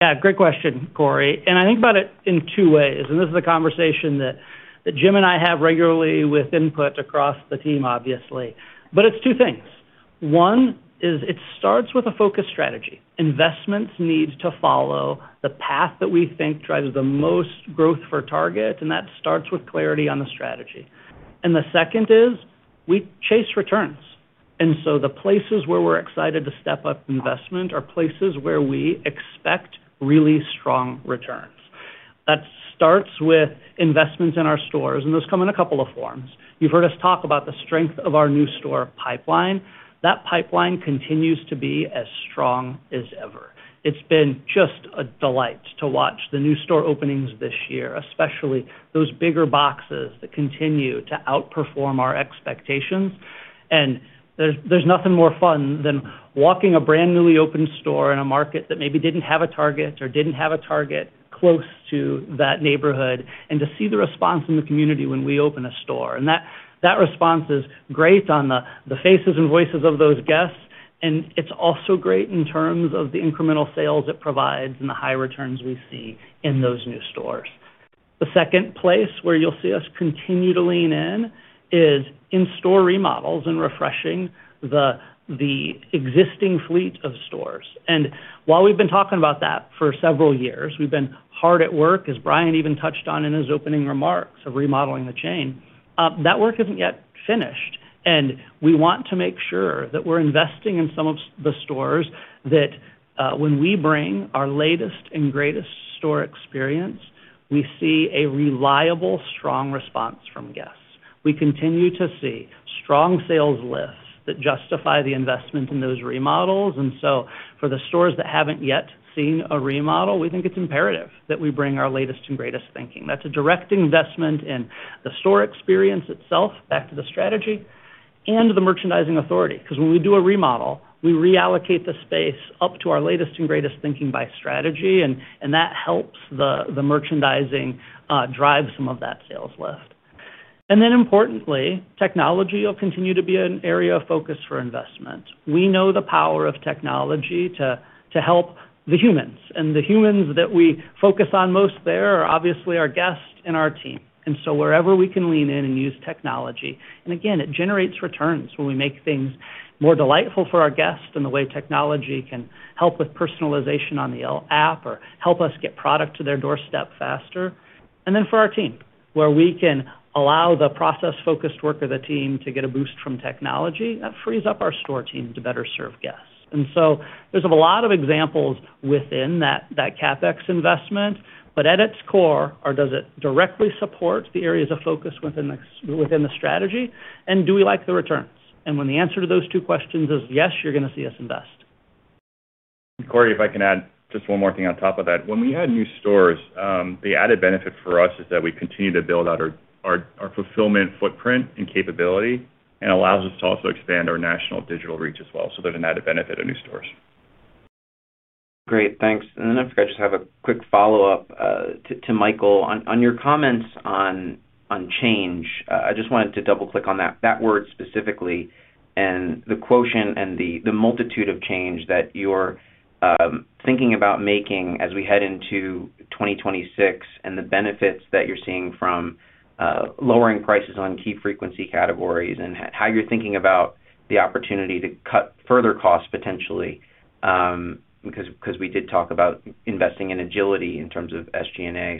Yeah, great question, Corey. And I think about it in two ways. And this is a conversation that Jim and I have regularly with input across the team, obviously. But it's two things. One is it starts with a focus strategy. Investments need to follow the path that we think drives the most growth for Target, and that starts with clarity on the strategy. The second is we chase returns. The places where we're excited to step up investment are places where we expect really strong returns. That starts with investments in our stores, and those come in a couple of forms. You've heard us talk about the strength of our new store pipeline. That pipeline continues to be as strong as ever. It's been just a delight to watch the new store openings this year, especially those bigger boxes that continue to outperform our expectations. There is nothing more fun than walking a brand newly opened store in a market that maybe did not have a Target or did not have a Target close to that neighborhood and to see the response in the community when we open a store. That response is great on the faces and voices of those guests. It is also great in terms of the incremental sales it provides and the high returns we see in those new stores. The second place where you will see us continue to lean in is in store remodels and refreshing the existing fleet of stores. While we have been talking about that for several years, we have been hard at work, as Brian even touched on in his opening remarks of remodeling the chain. That work is not yet finished. We want to make sure that we're investing in some of the stores that when we bring our latest and greatest store experience, we see a reliable, strong response from guests. We continue to see strong sales lifts that justify the investment in those remodels. For the stores that haven't yet seen a remodel, we think it's imperative that we bring our latest and greatest thinking. That's a direct investment in the store experience itself, back to the strategy, and the merchandising authority. When we do a remodel, we reallocate the space up to our latest and greatest thinking by strategy. That helps the merchandising drive some of that sales lift. Importantly, technology will continue to be an area of focus for investment. We know the power of technology to help the humans. The humans that we focus on most there are obviously our guests and our team. Wherever we can lean in and use technology, it generates returns when we make things more delightful for our guests and the way technology can help with personalization on the app or help us get product to their doorstep faster. For our team, where we can allow the process-focused work of the team to get a boost from technology, that frees up our store team to better serve guests. There are a lot of examples within that CapEx investment, but at its core, does it directly support the areas of focus within the strategy? Do we like the returns? When the answer to those two questions is yes, you're going to see us invest. Corey, if I can add just one more thing on top of that. When we add new stores, the added benefit for us is that we continue to build out our fulfillment footprint and capability and allows us to also expand our national digital reach as well. There is an added benefit of new stores. Great. Thanks. I forgot to just have a quick follow-up to Michael on your comments on change. I just wanted to double-click on that word specifically and the quotient and the multitude of change that you are thinking about making as we head into 2026 and the benefits that you are seeing from lowering prices on key frequency categories and how you are thinking about the opportunity to cut further costs potentially because we did talk about investing in agility in terms of SG&A.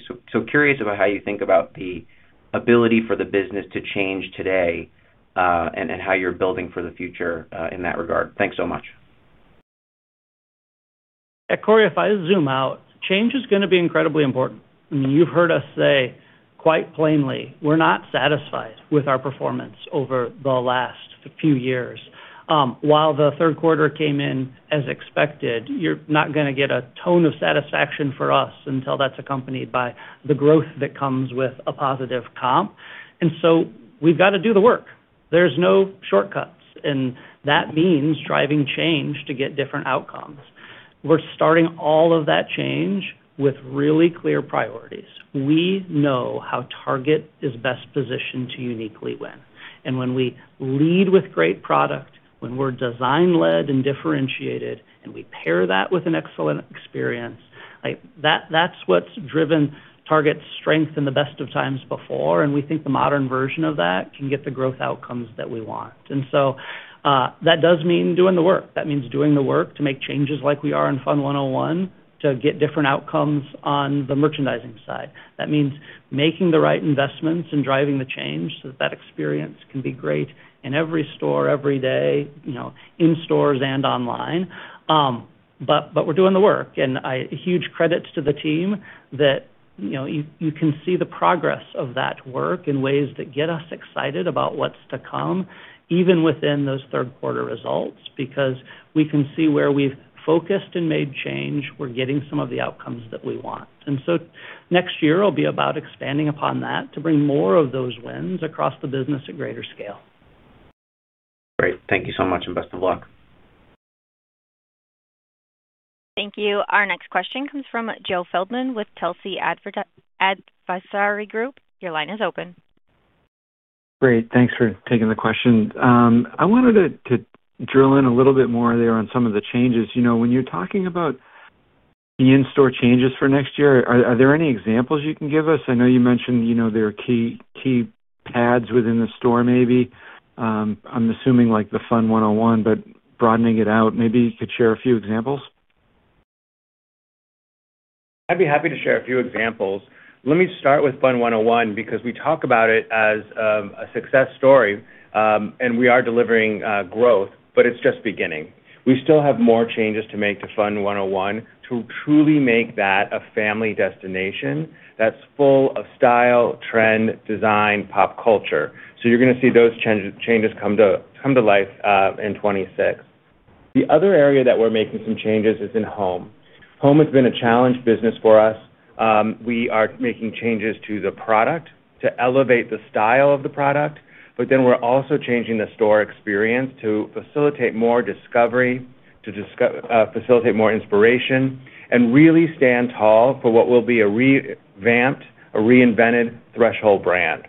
Curious about how you think about the ability for the business to change today and how you're building for the future in that regard. Thanks so much. Yeah, Corey, if I zoom out, change is going to be incredibly important. I mean, you've heard us say quite plainly, we're not satisfied with our performance over the last few years. While the third quarter came in as expected, you're not going to get a tone of satisfaction from us until that's accompanied by the growth that comes with a positive comp. We have to do the work. There's no shortcuts. That means driving change to get different outcomes. We're starting all of that change with really clear priorities. We know how Target is best positioned to uniquely win. When we lead with great product, when we're design-led and differentiated, and we pair that with an excellent experience, that's what's driven Target's strength in the best of times before. We think the modern version of that can get the growth outcomes that we want. That does mean doing the work. That means doing the work to make changes like we are in FUN 101 to get different outcomes on the merchandising side. That means making the right investments and driving the change so that that experience can be great in every store every day in stores and online. We're doing the work. Huge credit to the team that you can see the progress of that work in ways that get us excited about what's to come, even within those third-quarter results, because we can see where we've focused and made change. We're getting some of the outcomes that we want. Next year will be about expanding upon that to bring more of those wins across the business at greater scale. Great. Thank you so much and best of luck. Thank you. Our next question comes from Joe Feldman with Telsey Advisory Group. Your line is o pen. Great. Thanks for taking the question. I wanted to drill in a little bit more there on some of the changes. When you're talking about the in-store changes for next year, are there any examples you can give us? I know you mentioned there are key pads within the store maybe. I'm assuming like the FUN 101, but broadening it out, maybe you could share a few examples. I'd be happy to share a few examples. Let me start with FUN 101 because we talk about it as a success story, and we are delivering growth, but it's just beginning. We still have more changes to make to FUN 101 to truly make that a family destination that's full of style, trend, design, pop culture. You're going to see those changes come to life in 2026. The other area that we're making some changes is in home. Home has been a challenge business for us. We are making changes to the product to elevate the style of the product, but then we're also changing the store experience to facilitate more discovery, to facilitate more inspiration, and really stand tall for what will be a revamped, a reinvented Threshold brand.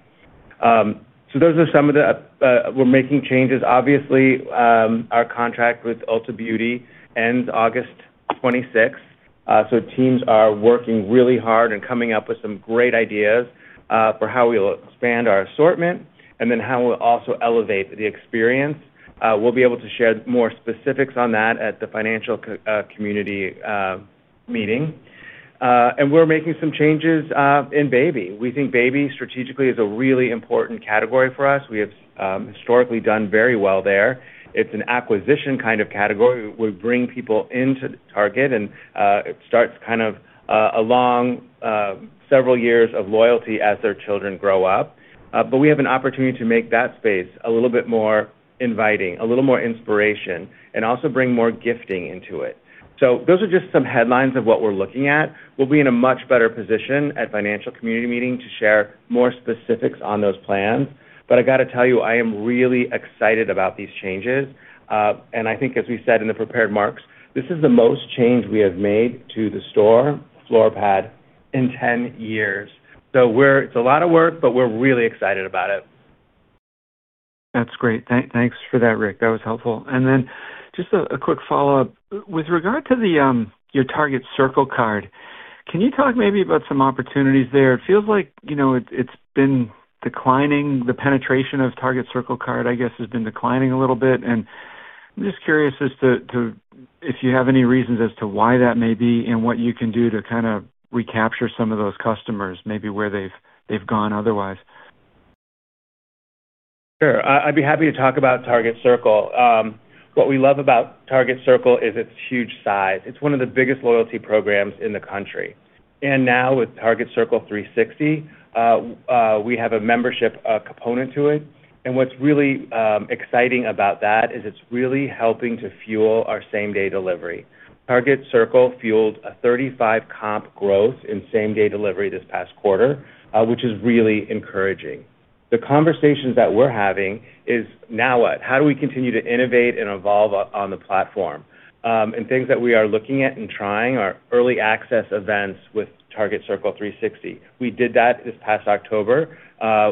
Those are some of the areas we're making changes. Obviously, our contract with Ulta Beauty ends August 2026. Teams are working really hard and coming up with some great ideas for how we'll expand our assortment and then how we'll also elevate the experience. We'll be able to share more specifics on that at the financial community meeting. We're making some changes in baby. We think baby strategically is a really important category for us. We have historically done very well there. It's an acquisition kind of category. We bring people into Target, and it starts kind of along several years of loyalty as their children grow up. We have an opportunity to make that space a little bit more inviting, a little more inspiration, and also bring more gifting into it. Those are just some headlines of what we're looking at. We'll be in a much better position at financial community meeting to share more specifics on those plans. I got to tell you, I am really excited about these changes. I think, as we said in the prepared marks, this is the most change we have made to the store floor pad in 10 years. It is a lot of work, but we are really excited about it. That is great. Thanks for that, Rick. That was helpful. Just a quick follow-up. With regard to your Target Circle card, can you talk maybe about some opportunities there? It feels like it has been declining. The penetration of Target Circle card, I guess, has been declining a little bit. I am just curious as to if you have any reasons as to why that may be and what you can do to kind of recapture some of those customers, maybe where they have gone otherwise. Sure. I would be happy to talk about Target Circle. What we love about Target Circle is its huge size. It's one of the biggest loyalty programs in the country. Now with Target Circle 360, we have a membership component to it. What's really exciting about that is it's really helping to fuel our same-day delivery. Target Circle fueled a 35% comp growth in same-day delivery this past quarter, which is really encouraging. The conversations that we're having is now what? How do we continue to innovate and evolve on the platform? Things that we are looking at and trying are early access events with Target Circle 360. We did that this past October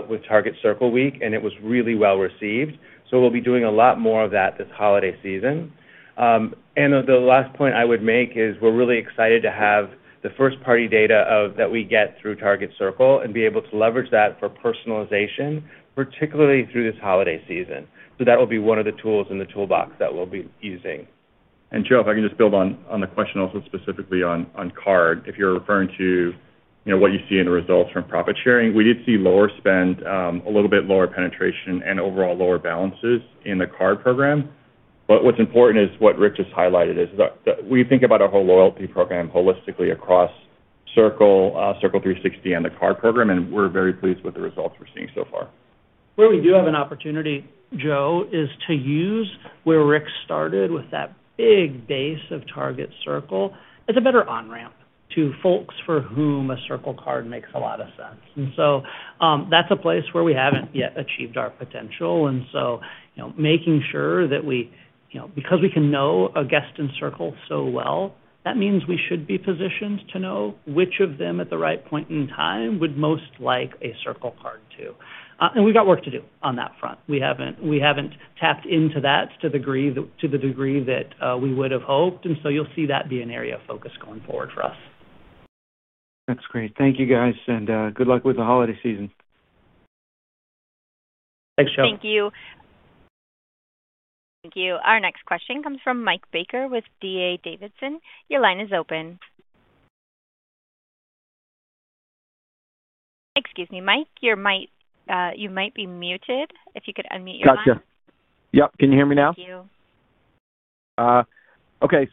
with Target Circle Week, and it was really well received. We will be doing a lot more of that this holiday season. The last point I would make is we're really excited to have the first-party data that we get through Target Circle and be able to leverage that for personalization, particularly through this holiday season. That will be one of the tools in the toolbox that we'll be using. Joe, if I can just build on the question also specifically on card, if you're referring to what you see in the results from profit sharing, we did see lower spend, a little bit lower penetration, and overall lower balances in the card program. What's important is what Rick just highlighted as we think about our whole loyalty program holistically across Circle, Circle 360, and the card program, and we're very pleased with the results we're seeing so far. Where we do have an opportunity, Joe, is to use where Rick started with that big base of Target Circle as a better on-ramp to folks for whom a Circle card makes a lot of sense. That is a place where we have not yet achieved our potential. Making sure that we, because we can know a guest in Circle so well, means we should be positioned to know which of them at the right point in time would most like a Circle card too. We have work to do on that front. We have not tapped into that to the degree that we would have hoped. You will see that be an area of focus going forward for us. That is great. Thank you, guys. Good luck with the holiday season. Thanks, Joe. Thank you. Thank you. Our next question comes from Mike Baker with DA Davidson. Your line is open. Excuse me, Mike. You might be muted. If you could unmute yourself. Gotcha. Yep. Can you hear me now? Thank you. Okay.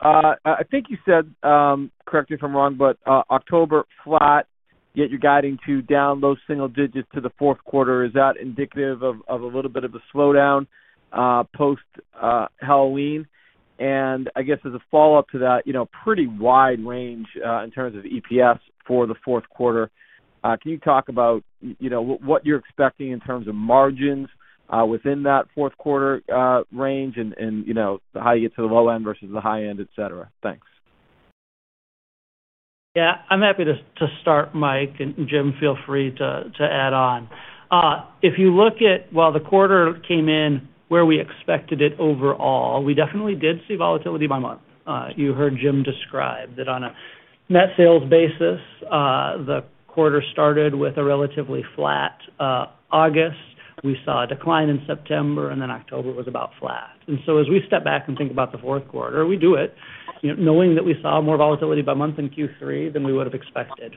I think you said, correct me if I'm wrong, but October flat, yet you're guiding to down low single digits to the fourth quarter. Is that indicative of a little bit of a slowdown post-Halloween? I guess as a follow-up to that, pretty wide range in terms of EPS for the fourth quarter. Can you talk about what you're expecting in terms of margins within that fourth quarter range and how you get to the low end versus the high end, etc.? Thanks. Yeah. I'm happy to start, Mike. Jim, feel free to add on. If you look at while the quarter came in where we expected it overall, we definitely did see volatility by month. You heard Jim describe that on a net sales basis, the quarter started with a relatively flat August. We saw a decline in September, and October was about flat. As we step back and think about the fourth quarter, we do it knowing that we saw more volatility by month in Q3 than we would have expected.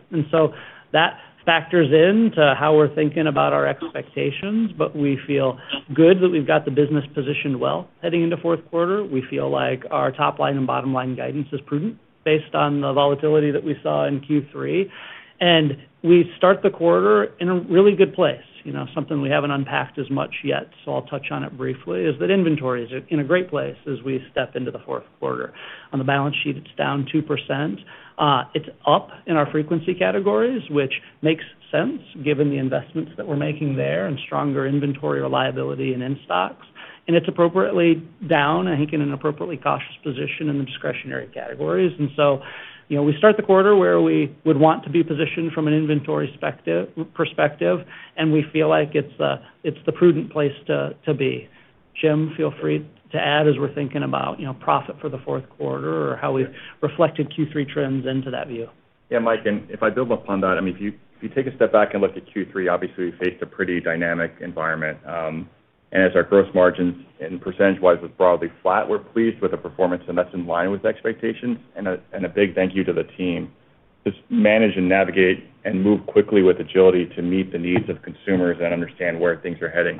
That factors into how we're thinking about our expectations, but we feel good that we've got the business positioned well heading into fourth quarter. We feel like our top line and bottom line guidance is prudent based on the volatility that we saw in Q3. We start the quarter in a really good place, something we haven't unpacked as much yet. I'll touch on it briefly. Inventory is in a great place as we step into the fourth quarter. On the balance sheet, it's down 2%. It's up in our frequency categories, which makes sense given the investments that we're making there and stronger inventory reliability and in-stocks. It's appropriately down, I think, in an appropriately cautious position in the discretionary categories. We start the quarter where we would want to be positioned from an inventory perspective, and we feel like it's the prudent place to be. Jim, feel free to add as we're thinking about profit for the fourth quarter or how we've reflected Q3 trends into that view. Yeah, Mike. If I build upon that, I mean, if you take a step back and look at Q3, obviously, we faced a pretty dynamic environment. As our gross margins and percentage-wise was broadly flat, we're pleased with the performance, and that's in line with expectations. A big thank you to the team to manage and navigate and move quickly with agility to meet the needs of consumers and understand where things are heading.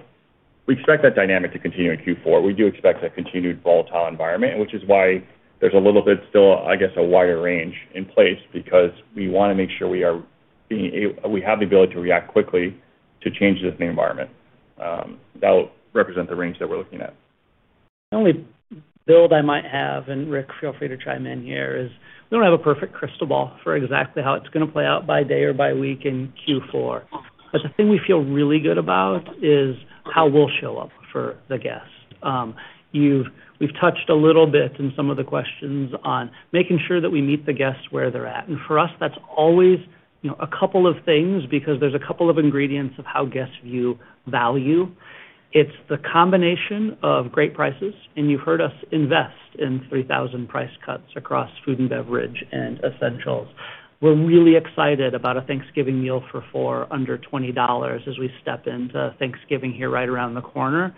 We expect that dynamic to continue in Q4. We do expect a continued volatile environment, which is why there's a little bit still, I guess, a wider range in place because we want to make sure we have the ability to react quickly to changes in the environment. That'll represent the range that we're looking at. The only build I might have, and Rick, feel free to chime in here, is we don't have a perfect crystal ball for exactly how it's going to play out by day or by week in Q4. The thing we feel really good about is how we'll show up for the guests. We've touched a little bit in some of the questions on making sure that we meet the guests where they're at. For us, that's always a couple of things because there's a couple of ingredients of how guests view value. It's the combination of great prices, and you've heard us invest in 3,000 price cuts across food and beverage and essentials. We're really excited about a Thanksgiving meal for four under $20 as we step into Thanksgiving here right around the corner.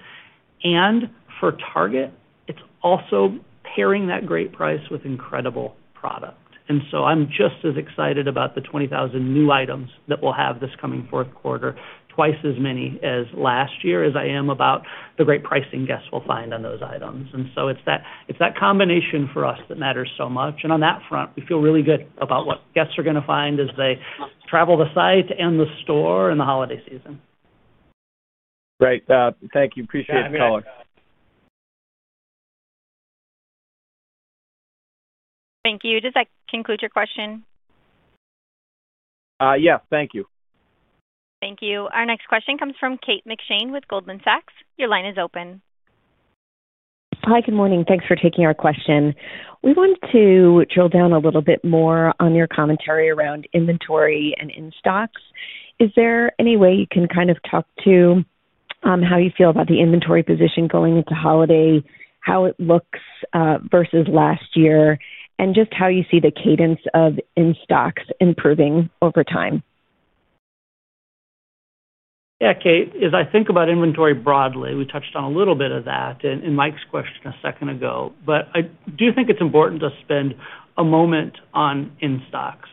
For Target, it's also pairing that great price with incredible product. I'm just as excited about the 20,000 new items that we'll have this coming fourth quarter, twice as many as last year as I am about the great pricing guests will find on those items. It is that combination for us that matters so much. On that front, we feel really good about what guests are going to find as they travel the site and the store in the holiday season. Great. Thank you. Appreciate it, Alex. Thank you. Thank you. Does that conclude your question? Yes. Thank you. Thank you. Our next question comes from Kate McShane with Goldman Sachs. Your line is open. Hi. Good morning. Thanks for taking our question. We wanted to drill down a little bit more on your commentary around inventory and in-stocks. Is there any way you can kind of talk to how you feel about the inventory position going into holiday, how it looks versus last year, and just how you see the cadence of in-stocks improving over time? Yeah, Kate, as I think about inventory broadly, we touched on a little bit of that in Mike's question a second ago, but I do think it's important to spend a moment on in-stocks.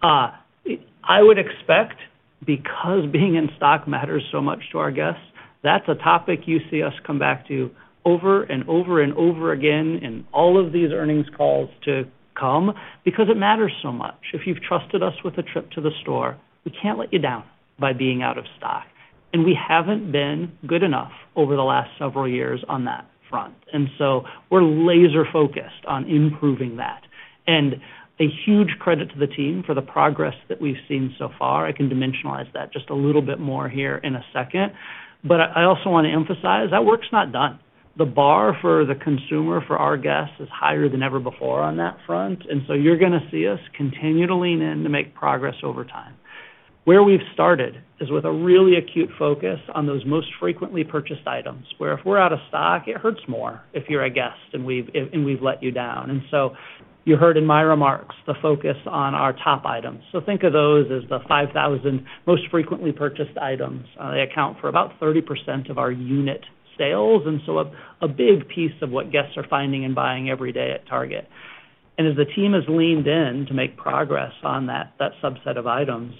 I would expect, because being in-stock matters so much to our guests, that's a topic you see us come back to over and over and over again in all of these earnings calls to come because it matters so much. If you've trusted us with a trip to the store, we can't let you down by being out of stock. We haven't been good enough over the last several years on that front. We are laser-focused on improving that. A huge credit to the team for the progress that we've seen so far. I can dimensionalize that just a little bit more here in a second. I also want to emphasize that work's not done. The bar for the consumer, for our guests, is higher than ever before on that front. You're going to see us continue to lean in to make progress over time. Where we've started is with a really acute focus on those most frequently purchased items, where if we're out of stock, it hurts more if you're a guest and we've let you down. You heard in my remarks the focus on our top items. Think of those as the 5,000 most frequently purchased items. They account for about 30% of our unit sales. A big piece of what guests are finding and buying every day at Target. As the team has leaned in to make progress on that subset of items,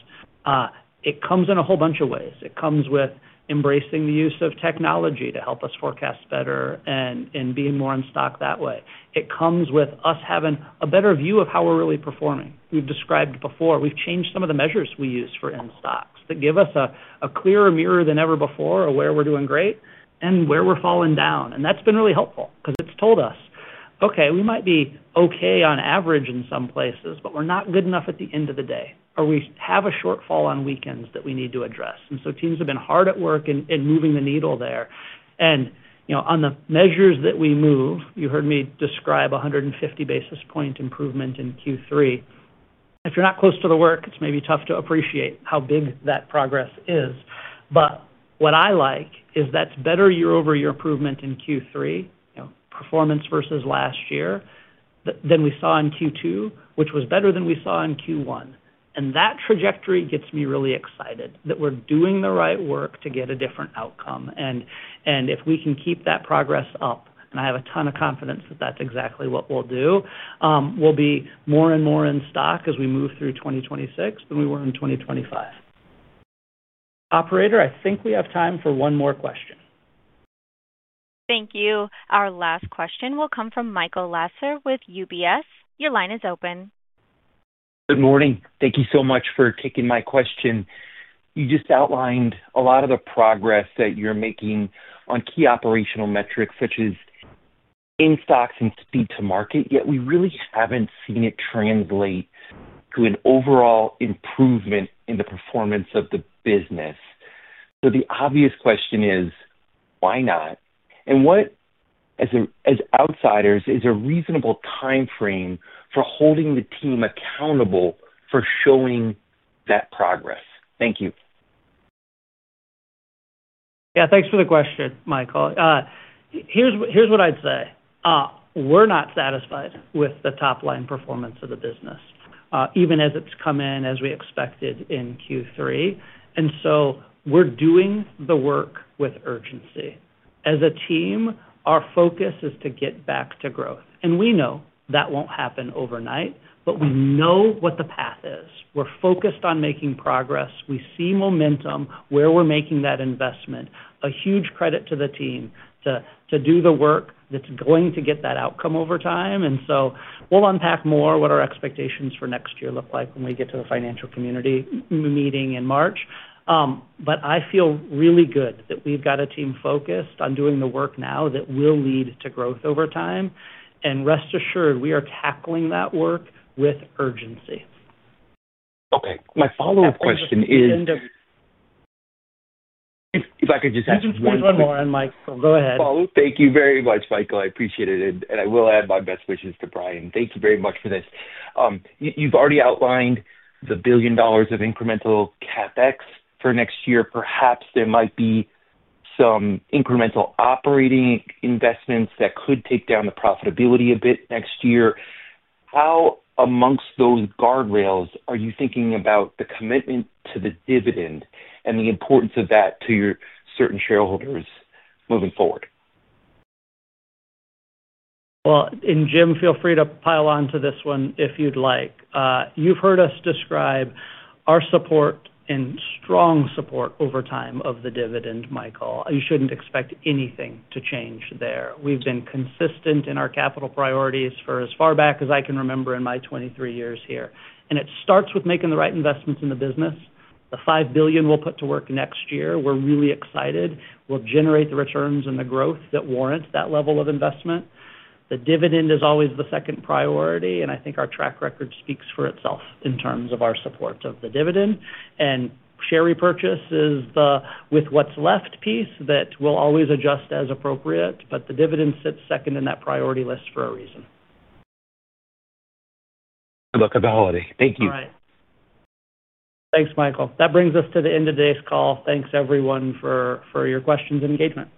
it comes in a whole bunch of ways. It comes with embracing the use of technology to help us forecast better and be more in stock that way. It comes with us having a better view of how we're really performing. We've described before. We've changed some of the measures we use for in-stocks that give us a clearer mirror than ever before of where we're doing great and where we're falling down. That's been really helpful because it's told us, "Okay, we might be okay on average in some places, but we're not good enough at the end of the day. Or we have a shortfall on weekends that we need to address." Teams have been hard at work in moving the needle there. On the measures that we move, you heard me describe a 150-basis point improvement in Q3. If you're not close to the work, it's maybe tough to appreciate how big that progress is. What I like is that's better year-over-year improvement in Q3, performance versus last year, than we saw in Q2, which was better than we saw in Q1. That trajectory gets me really excited that we're doing the right work to get a different outcome. If we can keep that progress up, and I have a ton of confidence that that's exactly what we'll do, we'll be more and more in stock as we move through 2026 than we were in 2025. Operator, I think we have time for one more question. Thank you. Our last question will come from Michael Lasser with UBS. Your line is open. Good morning. Thank you so much for taking my question. You just outlined a lot of the progress that you're making on key operational metrics such as in-stocks and speed to market, yet we really haven't seen it translate to an overall improvement in the performance of the business. The obvious question is, why not? What, as outsiders, is a reasonable time frame for holding the team accountable for showing that progress? Thank you. Yeah. Thanks for the question, Michael. Here's what I'd say. We're not satisfied with the top-line performance of the business, even as it's come in as we expected in Q3. We are doing the work with urgency. As a team, our focus is to get back to growth. We know that won't happen overnight, but we know what the path is. We're focused on making progress. We see momentum where we're making that investment. A huge credit to the team to do the work that's going to get that outcome over time. We will unpack more what our expectations for next year look like when we get to the financial community meeting in March. I feel really good that we've got a team focused on doing the work now that will lead to growth over time. Rest assured, we are tackling that work with urgency. Okay. My follow-up question is, if I could just ask one more. This is one more on Michael. Go ahead. Thank you very much, Michael. I appreciate it. I will add my best wishes to Brian. Thank you very much for this. You've already outlined the $1 billion of incremental CapEx for next year. Perhaps there might be some incremental operating investments that could take down the profitability a bit next year. How, amongst those guardrails, are you thinking about the commitment to the dividend and the importance of that to your certain shareholders moving forward? Jim, feel free to pile onto this one if you'd like. You've heard us describe our support and strong support over time of the dividend, Michael. You shouldn't expect anything to change there. We've been consistent in our capital priorities for as far back as I can remember in my 23 years here. It starts with making the right investments in the business. The $5 billion we'll put to work next year, we're really excited. We'll generate the returns and the growth that warrant that level of investment. The dividend is always the second priority, and I think our track record speaks for itself in terms of our support of the dividend. Share repurchase is the with-what's-left piece that we'll always adjust as appropriate, but the dividend sits second in that priority list for a reason. Lookability. Thank you. All right. Thanks, Michael. That brings us to the end of today's call. Thanks, everyone, for your questions and engagement.